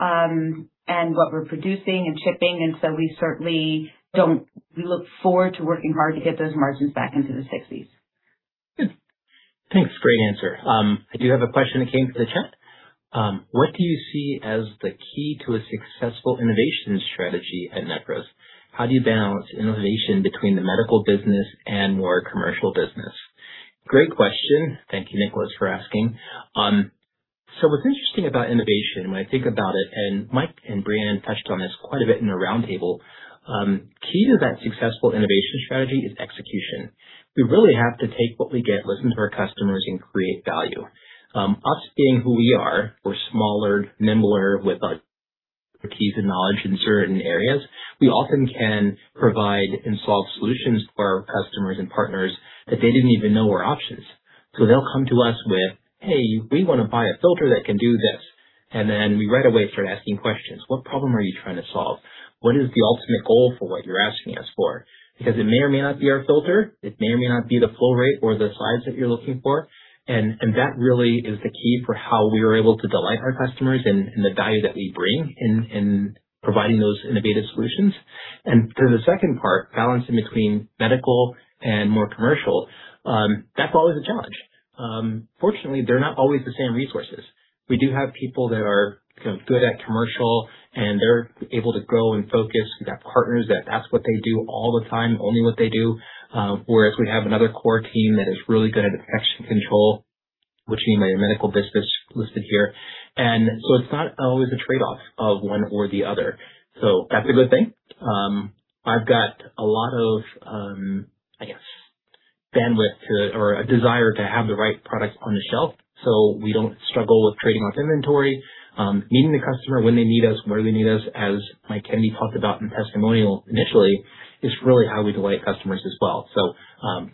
and what we're producing and shipping, so we certainly don't. We look forward to working hard to get those margins back into the 60s. Good. Thanks. Great answer. I do have a question that came through the chat. What do you see as the key to a successful innovation strategy at Nephros? How do you balance innovation between the medical business and more commercial business? Great question. Thank you, Nicholas, for asking. What's interesting about innovation when I think about it, and Mike and Brianne touched on this quite a bit in the roundtable, key to that successful innovation strategy is execution. We really have to take what we get, listen to our customers, and create value. Us being who we are, we're smaller, nimbler with our expertise and knowledge in certain areas. We often can provide and solve solutions for our customers and partners that they didn't even know were options. They'll come to us with, "Hey, we want to buy a filter that can do this." Then we right away start asking questions. What problem are you trying to solve? What is the ultimate goal for what you're asking us for? Because it may or may not be our filter. It may or may not be the flow rate or the size that you're looking for. That really is the key for how we are able to delight our customers and the value that we bring in providing those innovative solutions. To the second part, balancing between medical and more commercial, that's always a challenge. Fortunately, they're not always the same resources. We do have people that are good at commercial, and they're able to go and focus. We've got partners that that's what they do all the time, only what they do. Whereas we have another core team that is really good at infection control, which you know your medical business listed here. It's not always a trade-off of one or the other. That's a good thing. I've got a lot of, I guess, bandwidth to or a desire to have the right product on the shelf, so we don't struggle with trading off inventory. Meeting the customer when they need us, where they need us, as Mike Kennedy talked about in the testimonial initially, is really how we delight customers as well.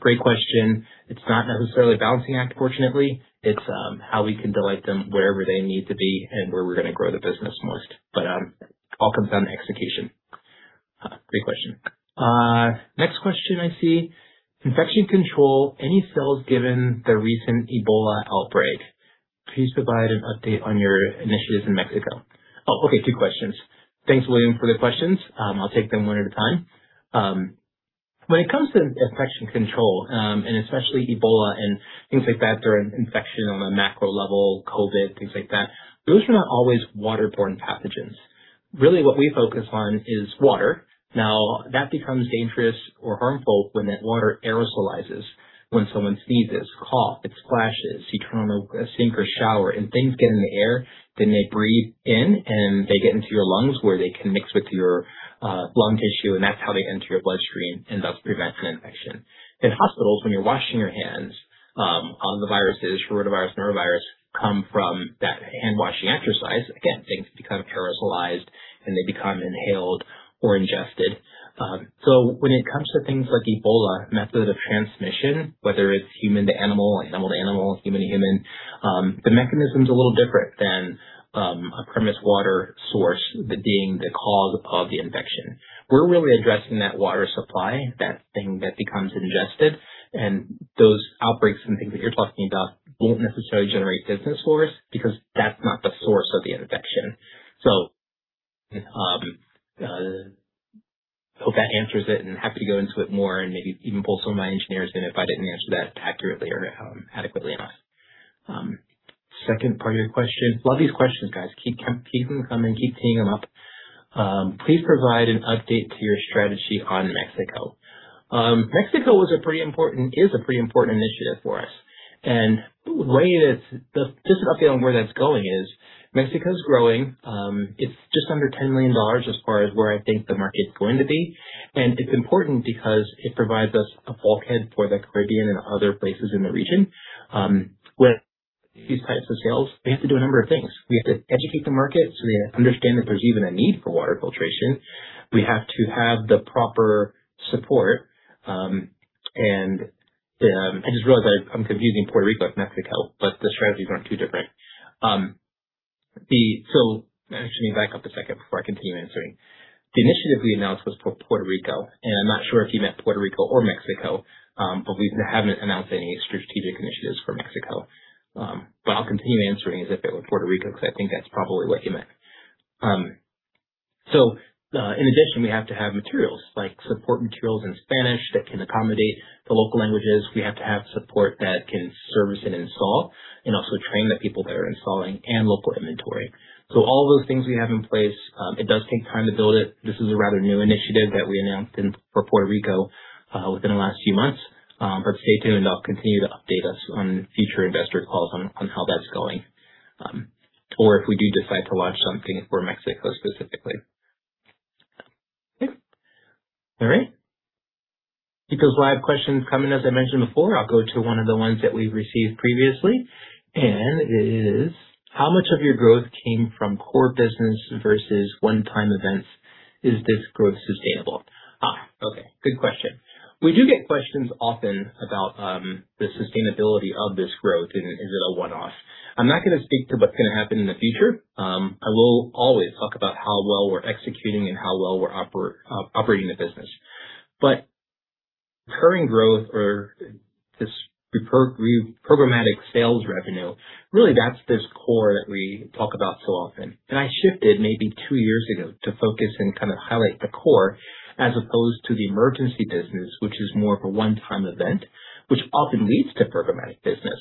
Great question. It's not necessarily a balancing act, fortunately. It's how we can delight them wherever they need to be and where we're going to grow the business most. All comes down to execution. Great question. Next question I see, "Infection control. Any sales given the recent Ebola outbreak? Please provide an update on your initiatives in Mexico." Two questions. Thanks, William, for the questions. I'll take them one at a time. When it comes to infection control, and especially Ebola and things like that, or infection on a macro level, COVID, things like that, those are not always waterborne pathogens. Really what we focus on is water. That becomes dangerous or harmful when that water aerosolizes. When someone sneezes, cough, it splashes. You turn on a sink or shower and things get in the air, then they breathe in, and they get into your lungs where they can mix with your lung tissue, and that's how they enter your bloodstream and thus prevent an infection. In hospitals, when you're washing your hands, a lot of the viruses, rotavirus, norovirus, come from that handwashing exercise. Again, things become aerosolized, and they become inhaled or ingested. When it comes to things like Ebola, method of transmission, whether it's human to animal to animal, human to human, the mechanism's a little different than a premise water source being the cause of the infection. We're really addressing that water supply, that thing that becomes ingested, and those outbreaks and things that you're talking about don't necessarily generate business for us because that's not the source of the infection. Hope that answers it, and happy to go into it more and maybe even pull some of my engineers in if I didn't answer that accurately or adequately enough. Second part of your question. Love these questions, guys. Keep them coming, keep teeing them up. "Please provide an update to your strategy on Mexico." Mexico is a pretty important initiative for us. Just an update on where that's going is Mexico's growing. It's just under $10 million as far as where I think the market's going to be. It's important because it provides us a bulkhead for the Caribbean and other places in the region. With these types of sales, we have to do a number of things. We have to educate the market so they understand that there's even a need for water filtration. We have to have the proper support. I just realized I'm confusing Puerto Rico with Mexico, but the strategies aren't too different. Let me back up a second before I continue answering. The initiative we announced was for Puerto Rico, and I'm not sure if you meant Puerto Rico or Mexico, but we haven't announced any strategic initiatives for Mexico. I'll continue answering as if it were Puerto Rico, because I think that's probably what you meant. In addition, we have to have materials, like support materials in Spanish that can accommodate the local languages. We have to have support that can service and install and also train the people that are installing and local inventory. All those things we have in place. It does take time to build it. This is a rather new initiative that we announced for Puerto Rico within the last few months. Stay tuned, and I'll continue to update us on future investor calls on how that's going. If we do decide to launch something for Mexico specifically. Live questions come in, as I mentioned before, I'll go to one of the ones that we've received previously, and it is, "How much of your growth came from core business versus one-time events? Is this growth sustainable?" Good question. We do get questions often about the sustainability of this growth and is it a one-off. I'm not going to speak to what's going to happen in the future. I will always talk about how well we're executing and how well we're operating the business. Recurring growth or this programmatic sales revenue, really that's this core that we talk about so often. I shifted maybe two years ago to focus and kind of highlight the core as opposed to the emergency business, which is more of a one-time event, which often leads to programmatic business.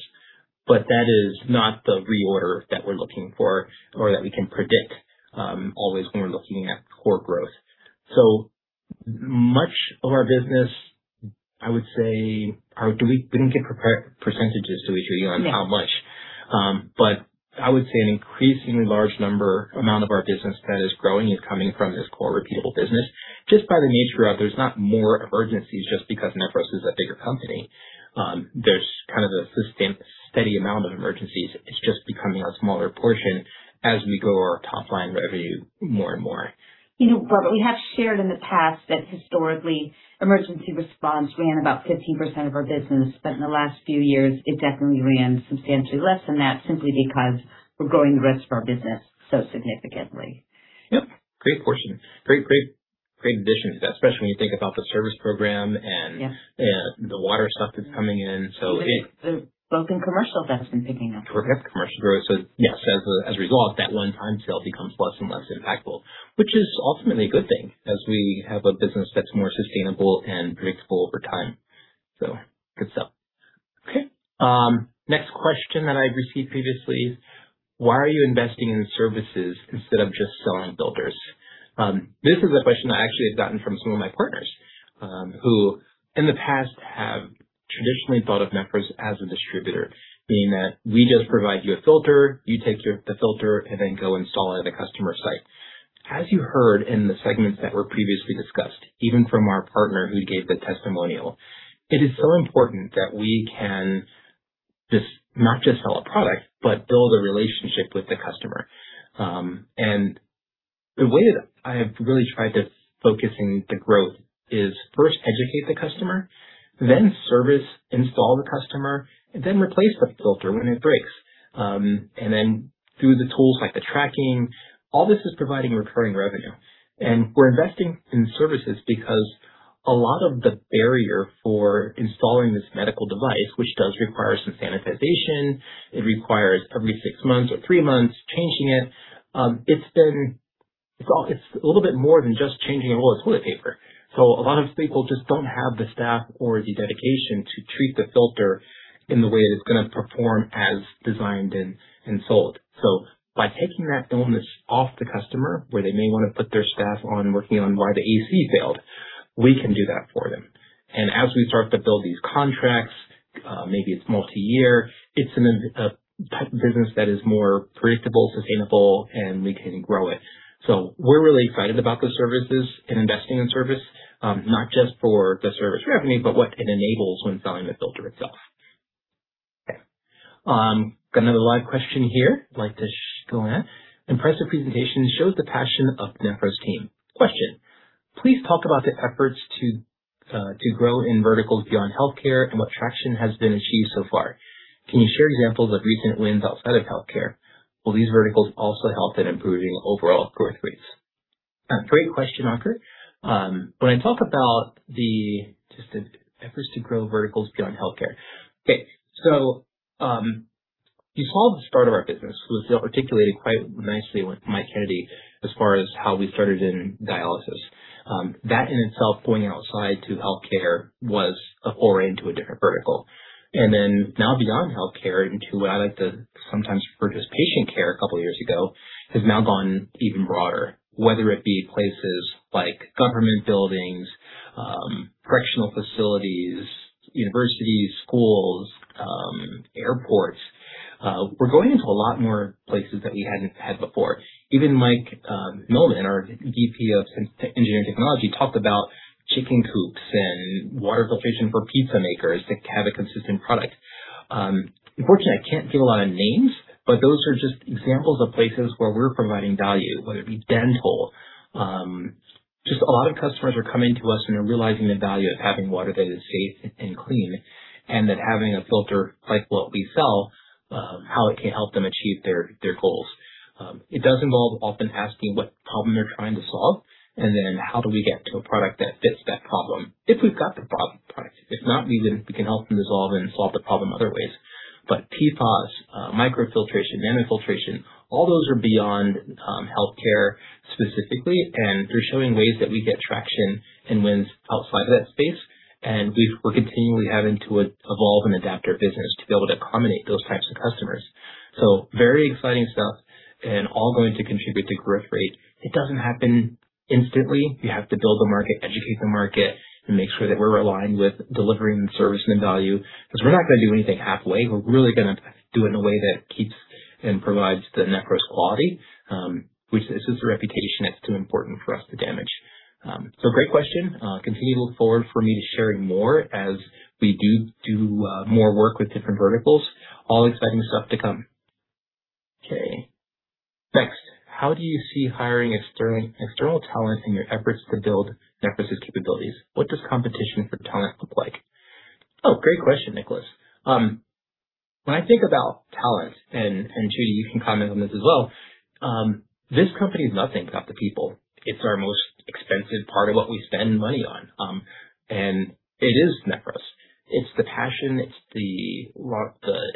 That is not the reorder that we're looking for or that we can predict always when we're looking at core growth. So much of our business, I would say, we didn't give percentages, did we, Judy, on how much? No. I would say an increasingly large amount of our business that is growing is coming from this core repeatable business. Just by the nature of there's not more emergencies just because Nephros is a bigger company. There's kind of a sustained, steady amount of emergencies. It's just becoming a smaller portion as we grow our top-line revenue more and more. You know, Robert, we have shared in the past that historically emergency response ran about 15% of our business, but in the last few years, it definitely ran substantially less than that simply because we're growing the rest of our business so significantly. Yep. Great portion. Great addition to that, especially when you think about the service program and- Yes. The water stuff that's coming in. The bulk and commercial stuff has been picking up. We have commercial growth. Yes, as a result, that one-time sale becomes less and less impactful, which is ultimately a good thing as we have a business that's more sustainable and predictable over time. Good stuff. Okay. Next question that I received previously, "Why are you investing in services instead of just selling to builders?" This is a question I actually have gotten from some of my partners who in the past have traditionally thought of Nephros as a distributor, being that we just provide you a filter, you take the filter, and then go install it at a customer site. As you heard in the segments that were previously discussed, even from our partner who gave the testimonial, it is so important that we can not just sell a product, but build a relationship with the customer. The way that I've really tried to focusing the growth is first educate the customer, then service install the customer, and then replace the filter when it breaks. Then through the tools like the tracking, all this is providing recurring revenue. We're investing in services because a lot of the barrier for installing this medical device, which does require some sanitization, it requires every six months or three months changing it. It's a little bit more than just changing a roll of toilet paper. A lot of people just don't have the staff or the dedication to treat the filter in the way that it's going to perform as designed and sold. By taking that onus off the customer, where they may want to put their staff on working on why the AC failed, we can do that for them. As we start to build these contracts, maybe it's multi-year, it's a type of business that is more predictable, sustainable, and we can grow it. We're really excited about those services and investing in service, not just for the service revenue, but what it enables when selling the filter itself. Got another live question here I'd like to go at. Impressive presentation shows the passion of Nephros team. Question. Please talk about the efforts to grow in verticals beyond healthcare and what traction has been achieved so far. Can you share examples of recent wins outside of healthcare? Will these verticals also help in improving overall growth rates? Great question, Ankur. When I talk about the efforts to grow verticals beyond healthcare. You saw at the start of our business was articulated quite nicely with Mike Kennedy as far as how we started in dialysis. That in itself, going outside to healthcare was a foray into a different vertical. Now beyond healthcare into what I like to sometimes refer to as patient care a couple of years ago, has now gone even broader. Whether it be places like government buildings, correctional facilities, universities, schools, airports. We're going into a lot more places that we hadn't had before. Even Mike Milman, our VP of Engineering Technology, talked about chicken coops and water filtration for pizza makers to have a consistent product. Unfortunately, I can't give a lot of names, but those are just examples of places where we're providing value, whether it be dental. Just a lot of customers are coming to us and are realizing the value of having water that is safe and clean, and that having a filter like what we sell, how it can help them achieve their goals. It does involve often asking what problem they're trying to solve and then how do we get to a product that fits that problem, if we've got the product. If not, we can help them dissolve and solve the problem other ways. PFAS, microfiltration, nanofiltration, all those are beyond healthcare specifically, and they're showing ways that we get traction and wins outside of that space. We're continually having to evolve and adapt our business to be able to accommodate those types of customers. Very exciting stuff and all going to contribute to growth rate. It doesn't happen instantly. We have to build the market, educate the market, and make sure that we're aligned with delivering the service and value, because we're not going to do anything halfway. We're really going to do it in a way that keeps and provides the Nephros quality, which this is a reputation that's too important for us to damage. Great question. Continue to look forward for me to sharing more as we do more work with different verticals. All exciting stuff to come. Next. How do you see hiring external talent in your efforts to build Nephros' capabilities? What does competition for talent look like? Great question, Nicholas. When I think about talent, and Judy, you can comment on this as well. This company is nothing without the people. It's our most expensive part of what we spend money on. It is Nephros. It's the passion, it's the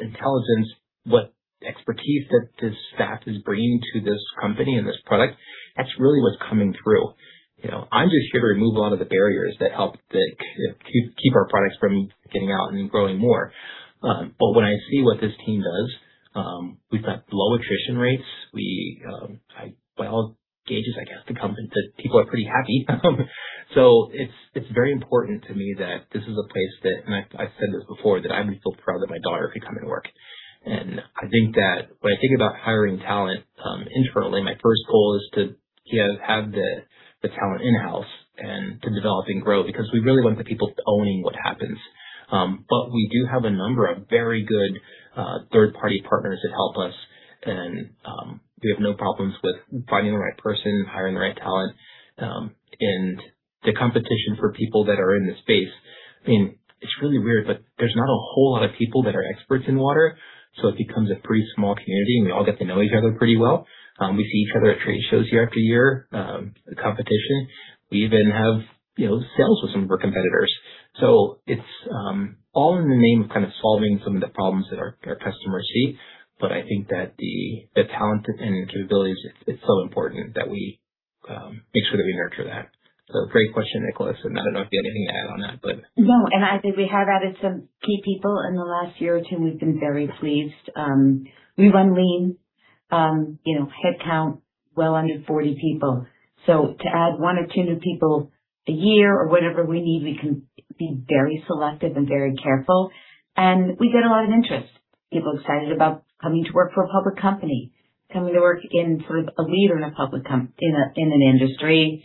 intelligence, what expertise that this staff is bringing to this company and this product. That's really what's coming through. I'm just here to remove a lot of the barriers that help keep our products from getting out and growing more. When I see what this team does, we've got low attrition rates. By all gauges, I guess, the people are pretty happy. It's very important to me that this is a place that, and I've said this before, that I would feel proud that my daughter could come and work. I think that when I think about hiring talent internally, my first goal is to have the talent in-house and to develop and grow, because we really want the people owning what happens. We do have a number of very good third-party partners that help us, and we have no problems with finding the right person, hiring the right talent. The competition for people that are in this space, it's really weird, but there's not a whole lot of people that are experts in water, so it becomes a pretty small community, and we all get to know each other pretty well. We see each other at trade shows year after year, the competition. We even have sales with some of our competitors. It's all in the name of kind of solving some of the problems that our customers see. I think that the talent and capabilities, it's so important that we make sure that we nurture that. Great question, Nicholas, and I don't know if you have anything to add on that, but- No, I think we have added some key people in the last year or two, and we've been very pleased. We run lean, headcount well under 40 people. To add one or two new people a year or whatever we need, we can be very selective and very careful. We get a lot of interest. People excited about coming to work for a public company, coming to work for a leader in an industry.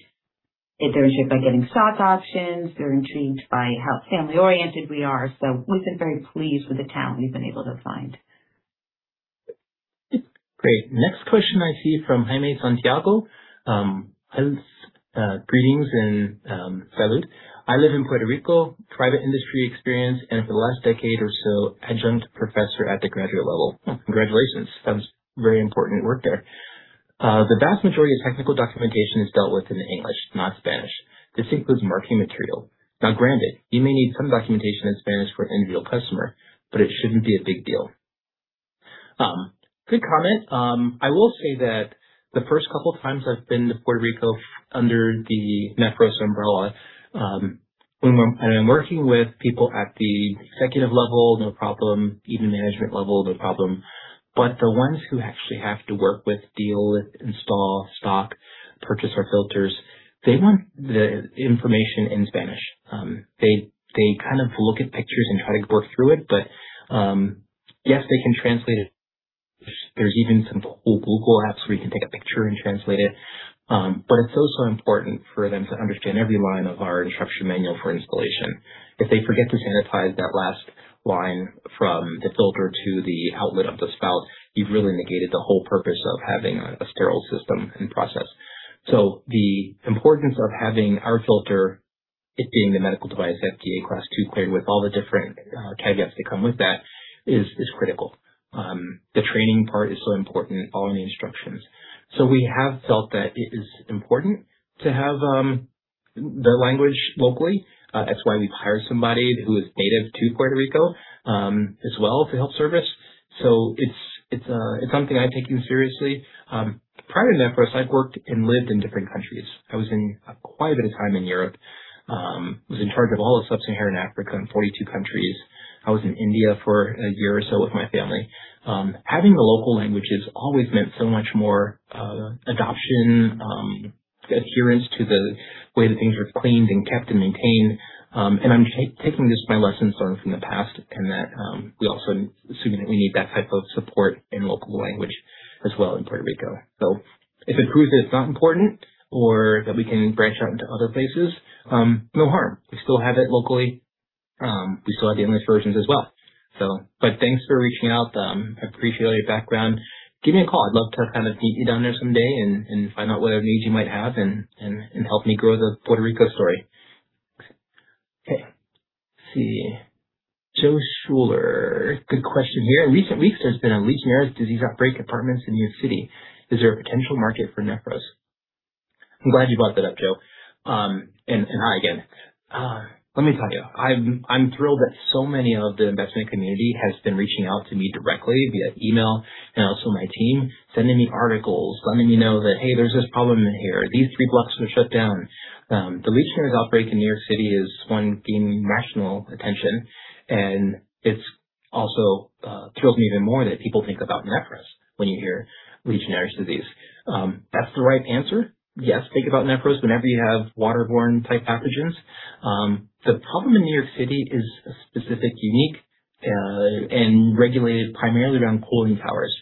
They're intrigued by getting stock options. They're intrigued by how family-oriented we are. We've been very pleased with the talent we've been able to find. Great. Next question I see from Jaime Santiago. "Greetings and salud. I live in Puerto Rico, private industry experience, and for the last decade or so, adjunct professor at the graduate level." Congratulations. That was very important work there. "The vast majority of technical documentation is dealt with in English, not Spanish. This includes marketing material. Granted, you may need some documentation in Spanish for an end-real customer, but it shouldn't be a big deal." Good comment. I will say that the first couple times I've been to Puerto Rico under the Nephros umbrella, when I'm working with people at the executive level, no problem. Even management level, no problem. The ones who actually have to work with, deal with, install, stock, purchase our filters, they want the information in Spanish. They look at pictures and try to work through it. Yes, they can translate it. There's even some cool Google apps where you can take a picture and translate it. It's so important for them to understand every line of our instruction manual for installation. If they forget to sanitize that last line from the filter to the outlet of the spout, you've really negated the whole purpose of having a sterile system and process. The importance of having our filter, it being the medical device, FDA Class II cleared with all the different caveats that come with that, is critical. The training part is so important, following the instructions. We have felt that it is important to have their language locally. That's why we've hired somebody who is native to Puerto Rico, as well, to help service. It's something I'm taking seriously. Prior to Nephros, I've worked and lived in different countries. I was in quite a bit of time in Europe. Was in charge of all of sub-Saharan Africa in 42 countries. I was in India for a year or so with my family. Having the local languages always meant so much more adoption, adherence to the way that things were cleaned and kept and maintained. I'm taking this, my lessons learned from the past, and that we also assume that we need that type of support in local language as well in Puerto Rico. If it proves that it's not important or that we can branch out into other places, no harm. We still have it locally. We still have the English versions as well. Thanks for reaching out. I appreciate all your background. Give me a call. I'd love to meet you down there someday and find out what other needs you might have and help me grow the Puerto Rico story. Okay. Let's see. Joe Schuler. Good question here. "Recently, there's been a Legionnaires' disease outbreak at apartments in New York City. Is there a potential market for Nephros?" I'm glad you brought that up, Joe. Hi again. Let me tell you, I'm thrilled that so many of the investment community has been reaching out to me directly via email and also my team, sending me articles, letting me know that, "Hey, there's this problem here. These three blocks are shut down." The Legionnaires' outbreak in New York City is one gaining national attention, and it also thrills me even more that people think about Nephros when you hear Legionnaires' disease. That's the right answer. Yes, think about Nephros whenever you have waterborne-type pathogens. The problem in New York City is a specific, unique, and regulated primarily around cooling towers.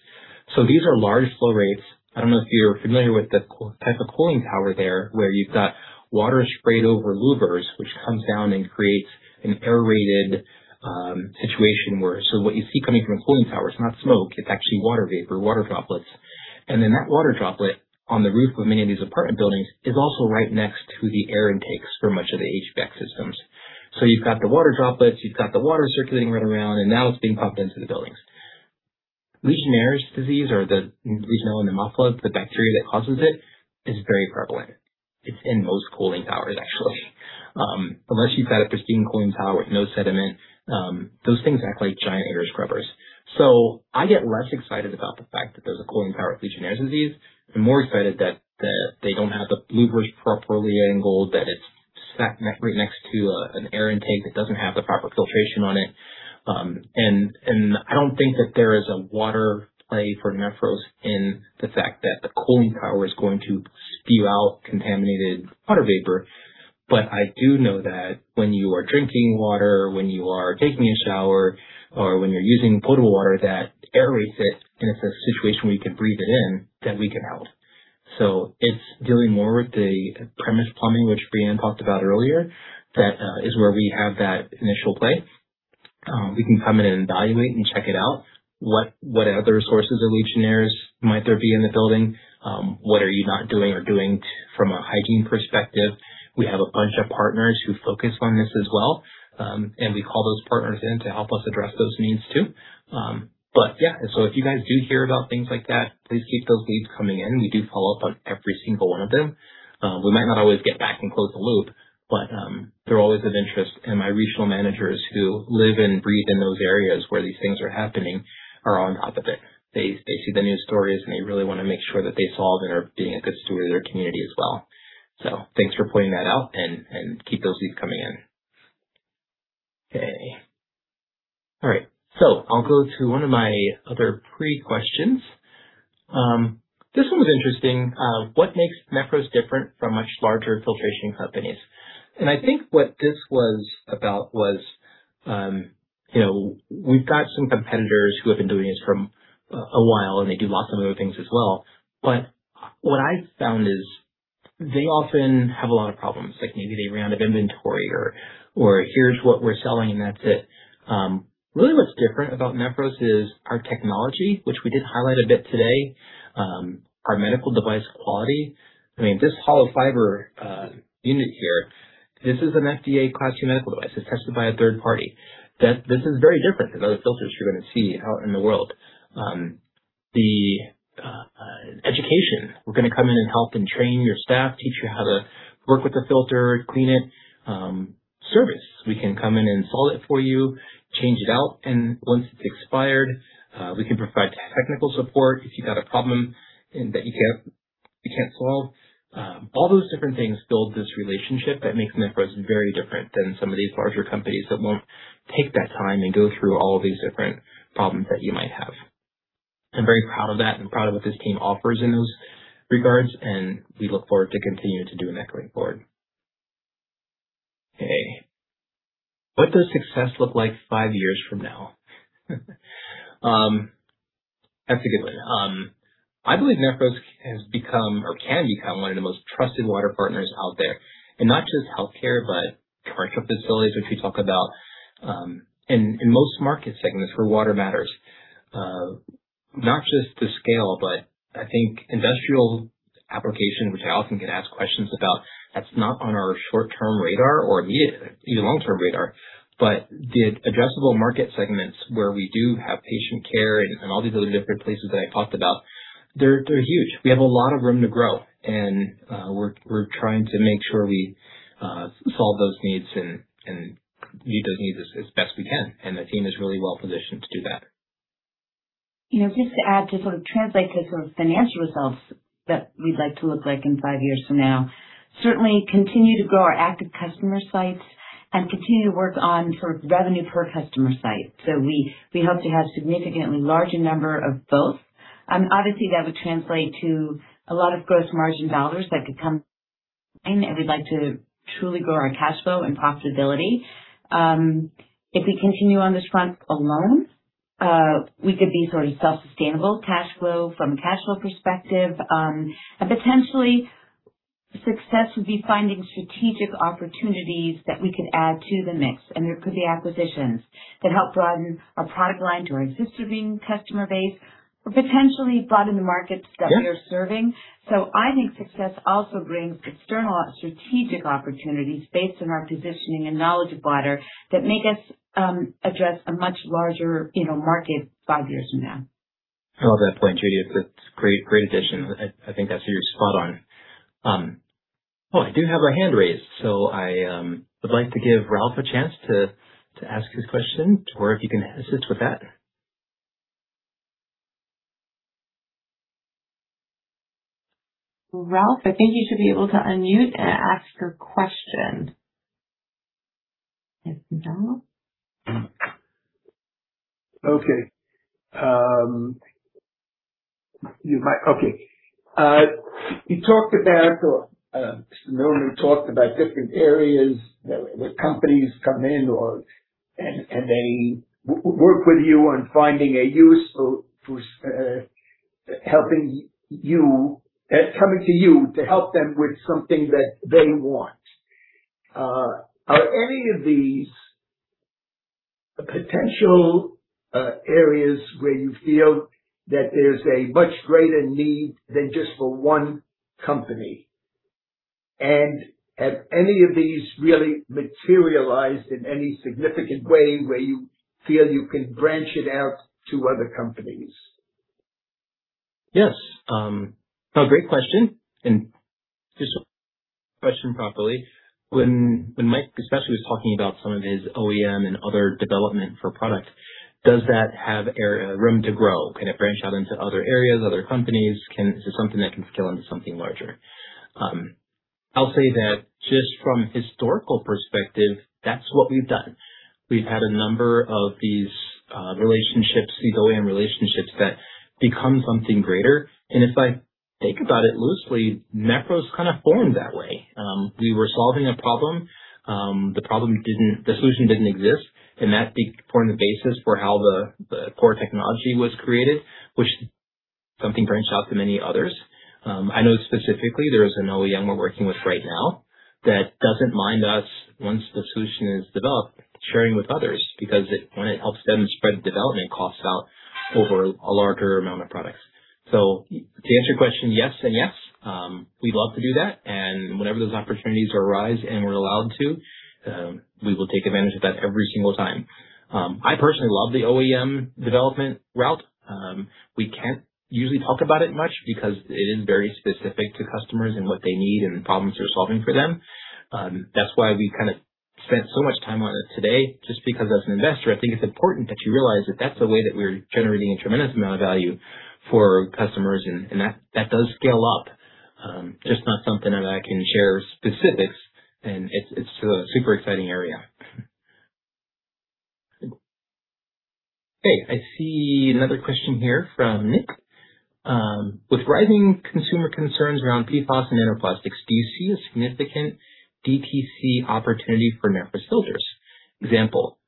These are large flow rates. I don't know if you're familiar with the type of cooling tower there, where you've got water sprayed over louvers, which comes down and creates an aerated situation where what you see coming from a cooling tower, it's not smoke, it's actually water vapor, water droplets. That water droplet on the roof of many of these apartment buildings is also right next to the air intakes for much of the HVAC systems. You've got the water droplets, you've got the water circulating right around, and now it's being pumped into the buildings. Legionnaires' disease or the Legionella pneumophila, the bacteria that causes it, is very prevalent. It's in most cooling towers, actually. Unless you've got a pristine cooling tower with no sediment, those things act like giant air scrubbers. I get less excited about the fact that there's a cooling tower with Legionnaires' disease and more excited that they don't have the louvers properly angled, that it's sat right next to an air intake that doesn't have the proper filtration on it. I don't think that there is a water play for Nephros in the fact that the cooling tower is going to spew out contaminated water vapor. I do know that when you are drinking water, when you are taking a shower, or when you're using potable water that aerates it, and it's a situation where you can breathe it in, then we get out. It's dealing more with the premise plumbing, which Brianne talked about earlier. That is where we have that initial play. We can come in and evaluate and check it out. What other sources of Legionnaires' might there be in the building? What are you not doing or doing from a hygiene perspective? We have a bunch of partners who focus on this as well, and we call those partners in to help us address those needs too. Yeah. If you guys do hear about things like that, please keep those leads coming in. We do follow up on every single one of them. We might not always get back and close the loop, but they're always of interest, and my regional managers who live and breathe in those areas where these things are happening are on top of it. They see the news stories, and they really want to make sure that they solve and are being a good steward of their community as well. Thanks for pointing that out, and keep those leads coming in. Okay. All right. I'll go to one of my other pre-questions. This one was interesting. "What makes Nephros different from much larger filtration companies?" I think what this was about was, we've got some competitors who have been doing this for a while, and they do lots of other things as well. What I've found is they often have a lot of problems, like maybe they ran out of inventory or here's what we're selling and that's it. Really what's different about Nephros is our technology, which we did highlight a bit today, our medical device quality. This hollow fiber unit here, this is an FDA Class II medical device. It's tested by a third-party. This is very different than other filters you're going to see out in the world. The education, we're going to come in and help and train your staff, teach you how to work with the filter, clean it. Service, we can come in, install it for you, change it out, and once it's expired, we can provide technical support if you've got a problem that you can't solve. All those different things build this relationship that makes Nephros very different than some of these larger companies that won't take that time and go through all of these different problems that you might have. I'm very proud of that and proud of what this team offers in those regards, and we look forward to continuing to do in that going forward. Okay. What does success look like five years from now? That's a good one. I believe Nephros has become or can become one of the most trusted water partners out there, not just healthcare, but commercial facilities, which we talk about, in most market segments where water matters. Not just the scale, but I think industrial application, which I often get asked questions about, that's not on our short-term radar or even long-term radar. The addressable market segments where we do have patient care and all these other different places that I talked about, they're huge. We have a lot of room to grow, and we're trying to make sure we solve those needs and meet those needs as best we can. The team is really well-positioned to do that. Just to add, to translate to financial results that we'd like to look like in five years from now, certainly continue to grow our active customer sites and continue to work on revenue per customer site. We hope to have significantly larger number of both. Obviously, that would translate to a lot of gross margin dollars that could come in, and we'd like to truly grow our cash flow and profitability. If we continue on this front alone, we could be self-sustainable cash flow from a cash flow perspective. Potentially success would be finding strategic opportunities that we could add to the mix, and there could be acquisitions that help broaden our product line to our existing customer base or potentially broaden the markets that we are serving. Yeah. I think success also brings external strategic opportunities based on our positioning and knowledge of water that make us address a much larger market five years from now. I love that point, Judy. That's a great addition. I think that's huge. Spot on. Oh, I do have our hand raised, I would like to give Ralph a chance to ask his question. Tori, if you can assist with that. Ralph, I think you should be able to unmute and ask your question. If no. Okay. You talked about, or Milman talked about different areas where companies come in, and they work with you on finding a use for coming to you to help them with something that they want. Are any of these potential areas where you feel that there's a much greater need than just for one company? Have any of these really materialized in any significant way where you feel you can branch it out to other companies? Yes. Great question. Just to repeat the question properly, when Mike especially was talking about some of his OEM and other development for product, does that have room to grow? Can it branch out into other areas, other companies? Is this something that can scale into something larger? I'll say that just from a historical perspective, that's what we've done. We've had a number of these relationships, these OEM relationships, that become something greater. If I think about it loosely, Nephros kind of formed that way. We were solving a problem. The solution didn't exist, and that became an important basis for how the core technology was created, which something branched off to many others. I know specifically there is an OEM we're working with right now that doesn't mind us, once the solution is developed, sharing with others because it helps them spread development costs out over a larger amount of products. To answer your question, yes and yes. We'd love to do that, whenever those opportunities arise and we're allowed to, we will take advantage of that every single time. I personally love the OEM development route. We can't usually talk about it much because it is very specific to customers and what they need and the problems we're solving for them. That's why we spent so much time on it today, just because as an investor, I think it's important that you realize that that's a way that we're generating a tremendous amount of value for customers, and that does scale up. Just not something that I can share specifics. It's still a super exciting area. Okay, I see another question here from Nick. With rising consumer concerns around PFAS and nanoplastics, do you see a significant DTC opportunity for Nephros filters? Example,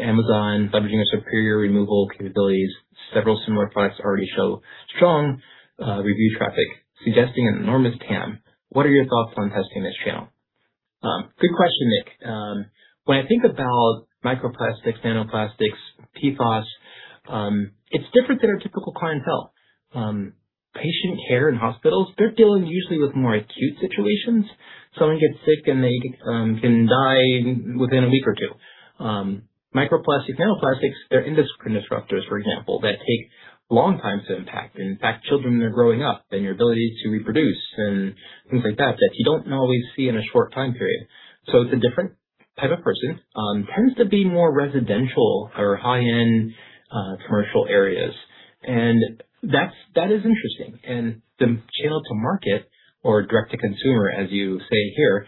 Amazon leveraging our superior removal capabilities, several similar products already show strong review traffic, suggesting an enormous TAM. What are your thoughts on testing this channel? Good question, Nick. When I think about microplastics, nanoplastics, PFOS, it's different than our typical clientele. Patient care in hospitals, they're dealing usually with more acute situations. Someone gets sick, and they can die within a week or two. Microplastics, nanoplastics, they're endocrine disruptors, for example, that take long times to impact, and impact children that are growing up and your ability to reproduce and things like that you don't always see in a short time period. It's a different type of person. Tends to be more residential or high-end commercial areas. That is interesting. The channel to market or direct to consumer, as you say here,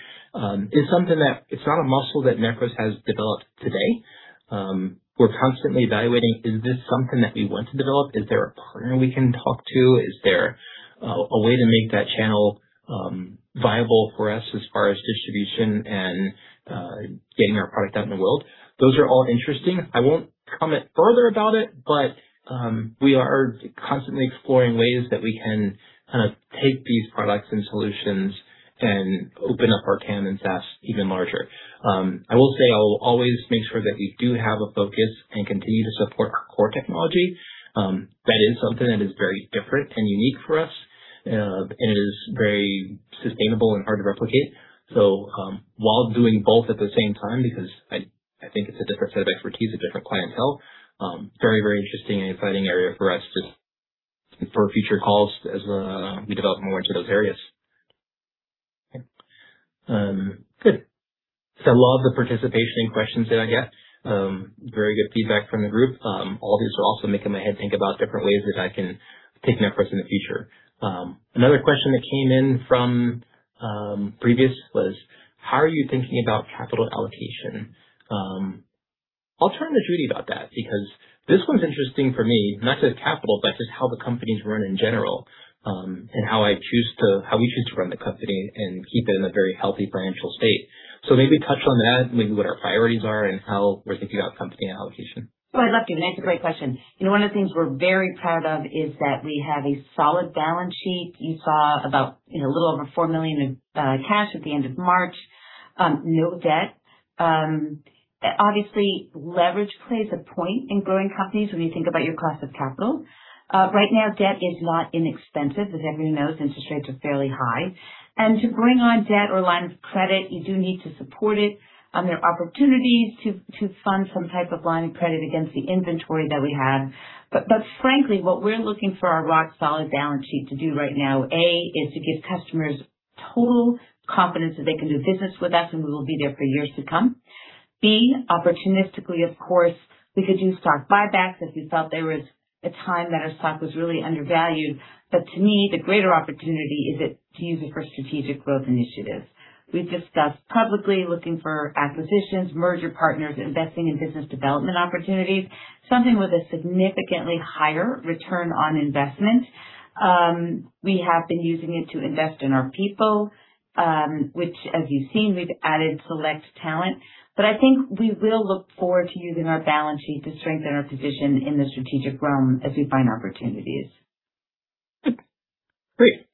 is something that it's not a muscle that Nephros has developed today. We're constantly evaluating, is this something that we want to develop? Is there a partner we can talk to? Is there a way to make that channel viable for us as far as distribution and getting our product out in the world? Those are all interesting. I won't comment further about it, but we are constantly exploring ways that we can take these products and solutions and open up our TAM and SAS even larger. I will say I will always make sure that we do have a focus and continue to support our core technology. That is something that is very different and unique for us. It is very sustainable and hard to replicate. While doing both at the same time, because I think it's a different set of expertise, a different clientele. Very interesting and exciting area for us to, for future calls as we develop more into those areas. Good. I love the participation and questions that I get. Very good feedback from the group. All these are also making my head think about different ways that I can take Nephros in the future. Another question that came in from previous was, how are you thinking about capital allocation? I'll turn to Judy about that because this one's interesting for me, not just capital, but just how the company's run in general, and how we choose to run the company and keep it in a very healthy financial state. Maybe touch on that, maybe what our priorities are and how we're thinking about company allocation. Oh, I'd love to. That's a great question. One of the things we're very proud of is that we have a solid balance sheet. You saw about a little over $4 million in cash at the end of March. No debt. Obviously, leverage plays a point in growing companies when you think about your class of capital. Right now, debt is not inexpensive, as everyone knows, interest rates are fairly high. To bring on debt or line of credit, you do need to support it. There are opportunities to fund some type of line of credit against the inventory that we have. Frankly, what we're looking for our rock-solid balance sheet to do right now, A, is to give customers total confidence that they can do business with us and we will be there for years to come. B, opportunistically, of course, we could do stock buybacks if we felt there was a time that our stock was really undervalued. To me, the greater opportunity is to use it for strategic growth initiatives. We've discussed publicly looking for acquisitions, merger partners, investing in business development opportunities, something with a significantly higher return on investment. We have been using it to invest in our people, which as you've seen, we've added select talent. I think we will look forward to using our balance sheet to strengthen our position in the strategic realm as we find opportunities. Great.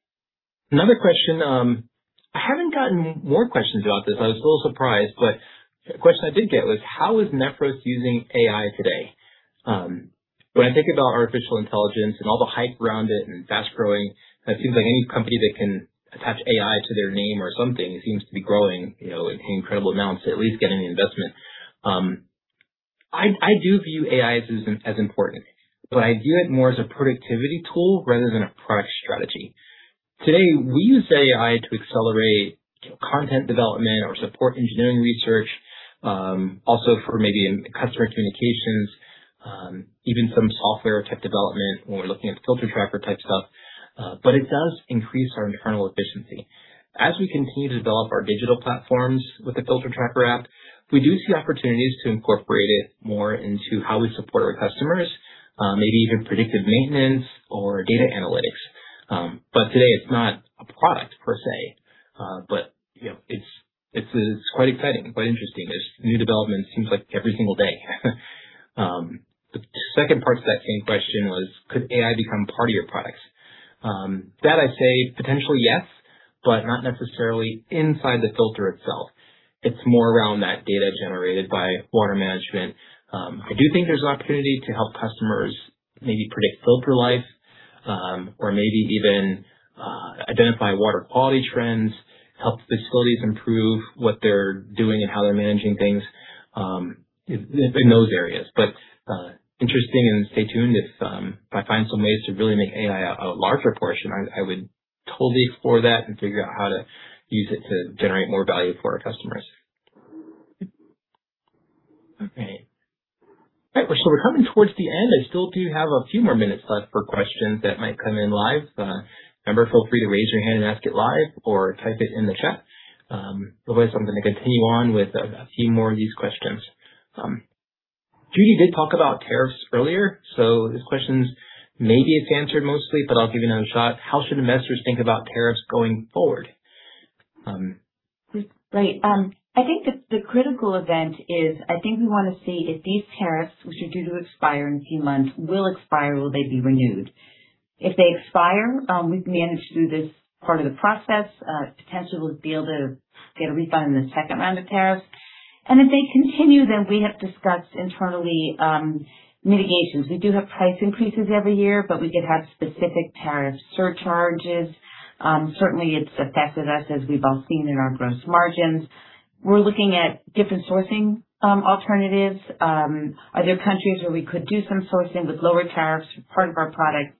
Another question. I haven't gotten more questions about this. I was a little surprised, the question I did get was, how is Nephros using AI today? When I think about artificial intelligence and all the hype around it and fast-growing, and it seems like any company that can attach AI to their name or something seems to be growing at incredible amounts, at least getting the investment. I do view AI as important, I view it more as a productivity tool rather than a product strategy. Today, we use AI to accelerate content development or support engineering research, also for maybe in customer communications, even some software type development when we're looking at the Filter Tracker type stuff. It does increase our internal efficiency. As we continue to develop our digital platforms with the Filter Tracker app, we do see opportunities to incorporate it more into how we support our customers, maybe even predictive maintenance or data analytics. Today it's not a product per se. It's quite exciting, quite interesting. There's new development seems like every single day. The second part to that same question was, could AI become part of your products? That I'd say potentially yes, not necessarily inside the filter itself. It's more around that data generated by water management. I do think there's an opportunity to help customers maybe predict filter life, or maybe even identify water quality trends, help facilities improve what they're doing and how they're managing things, in those areas. Interesting, and stay tuned if I find some ways to really make AI a larger portion, I would totally explore that and figure out how to use it to generate more value for our customers. Okay. All right. We're coming towards the end. I still do have a few more minutes left for questions that might come in live. Remember, feel free to raise your hand and ask it live or type it in the chat. Otherwise, I'm going to continue on with a few more of these questions. Judy did talk about tariffs earlier, so this question maybe is answered mostly, but I'll give you another shot. How should investors think about tariffs going forward? Right. I think the critical event is, I think we want to see if these tariffs, which are due to expire in a few months, will expire or will they be renewed. If they expire, we can manage through this part of the process, potentially we'll be able to get a refund on the second round of tariffs. If they continue, we have discussed internally mitigations. We do have price increases every year, but we could have specific tariff surcharges. Certainly, it's affected us, as we've all seen in our gross margins. We're looking at different sourcing alternatives. Are there countries where we could do some sourcing with lower tariffs for part of our product?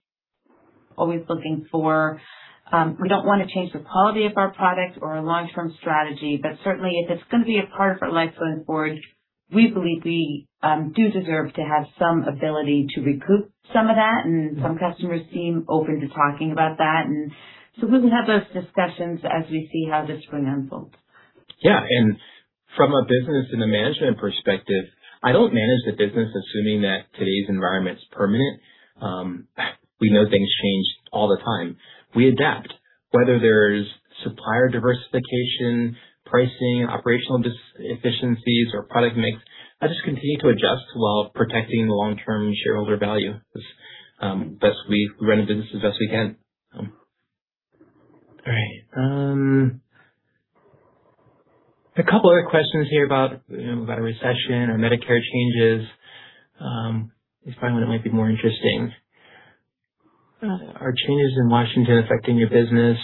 We don't want to change the quality of our product or our long-term strategy, but certainly, if it's going to be a part of our life going forward, we believe we do deserve to have some ability to recoup some of that, and some customers seem open to talking about that. We will have those discussions as we see how this will unfold. Yeah. From a business and a management perspective, I don't manage the business assuming that today's environment's permanent. We know things change all the time. We adapt, whether there's supplier diversification, pricing, operational efficiencies, or product mix. I just continue to adjust while protecting the long-term shareholder value as best we run a business as best we can. All right. A couple other questions here about a recession or Medicare changes. This one might be more interesting. Are changes in Washington affecting your business?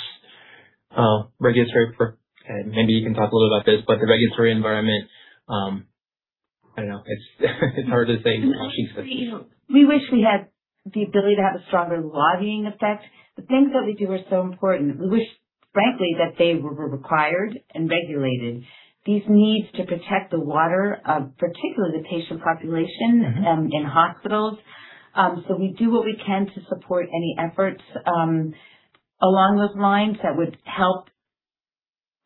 Maybe you can talk a little about this, but the regulatory environment, I don't know. We wish we had the ability to have a stronger lobbying effect. The things that we do are so important. We wish, frankly, that they were required and regulated. These needs to protect the water, particularly the patient population In hospitals. We do what we can to support any efforts along those lines that would help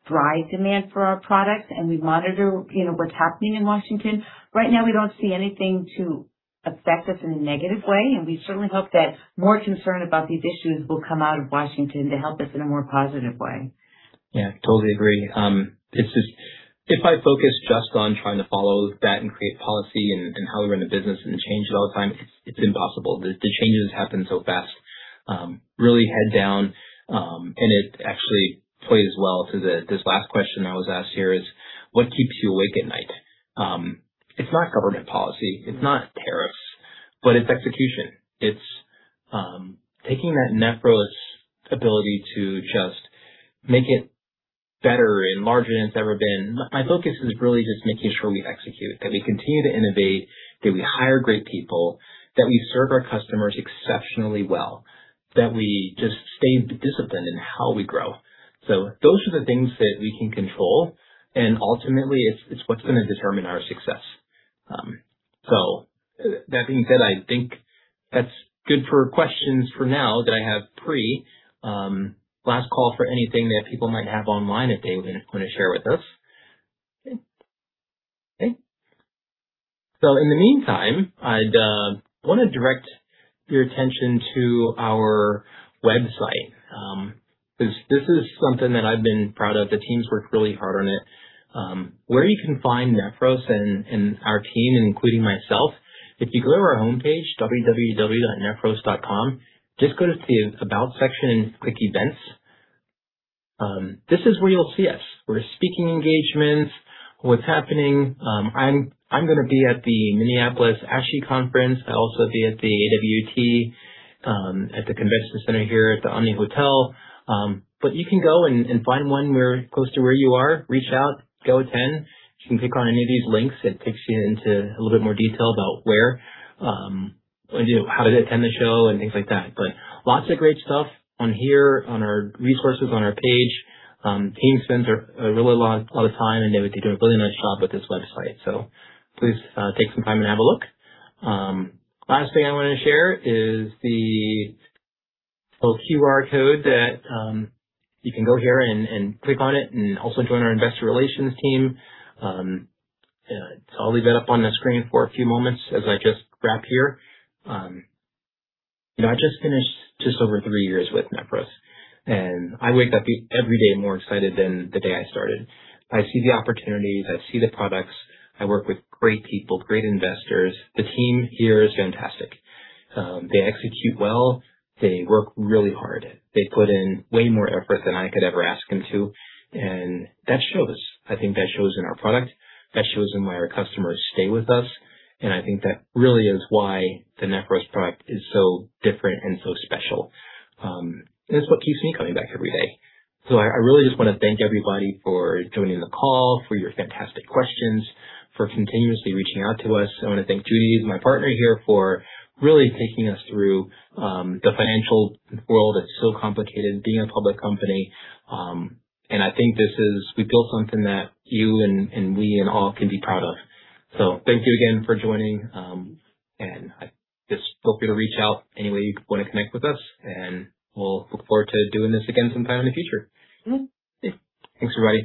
drive demand for our products, and we monitor what's happening in Washington. Right now, we don't see anything to affect us in a negative way, and we certainly hope that more concern about these issues will come out of Washington to help us in a more positive way. Yeah, totally agree. If I focus just on trying to follow that and create policy and how we run the business and change it all the time, it's impossible. The changes happen so fast. Really head down, and it actually plays well to this last question I was asked here is, what keeps you awake at night? It's not government policy, it's not tariffs, but it's execution. It's taking that Nephros ability to just make it better and larger than it's ever been. My focus is really just making sure we execute, that we continue to innovate, that we hire great people, that we serve our customers exceptionally well, that we just stay disciplined in how we grow. Those are the things that we can control, and ultimately, it's what's going to determine our success. That being said, I think that's good for questions for now that I have pre. Last call for anything that people might have online if they want to share with us. Okay. In the meantime, I'd want to direct your attention to our website. This is something that I've been proud of. The team's worked really hard on it. Where you can find Nephros and our team, including myself. If you go to our homepage, www.nephros.com, just go to the About section and click Events. This is where you'll see us, where speaking engagements, what's happening. I'm going to be at the Minneapolis ASHI conference. I'll also be at the AWT, at the convention center here at the Omni Hotel. You can go and find one close to where you are. Reach out, go attend. You can click on any of these links. It takes you into a little bit more detail about where, and how to attend the show and things like that. Lots of great stuff on here, on our resources on our page. Team spends a really lot of time, and they do a really nice job with this website. Please take some time and have a look. Last thing I want to share is the little QR code that you can go here and click on it and also join our investor relations team. I'll leave that up on the screen for a few moments as I just wrap here. I just finished just over three years with Nephros, and I wake up every day more excited than the day I started. I see the opportunities, I see the products. I work with great people, great investors. The team here is fantastic. They execute well. They work really hard. They put in way more effort than I could ever ask them to, that shows. I think that shows in our product. That shows in why our customers stay with us, I think that really is why the Nephros product is so different and so special. It's what keeps me coming back every day. I really just want to thank everybody for joining the call, for your fantastic questions, for continuously reaching out to us. I want to thank Judy, my partner here, for really taking us through the financial world. It's so complicated being a public company. I think we've built something that you and we and all can be proud of. Thank you again for joining, and I just hope you'll reach out any way you want to connect with us, and we'll look forward to doing this again sometime in the future. Thanks, everybody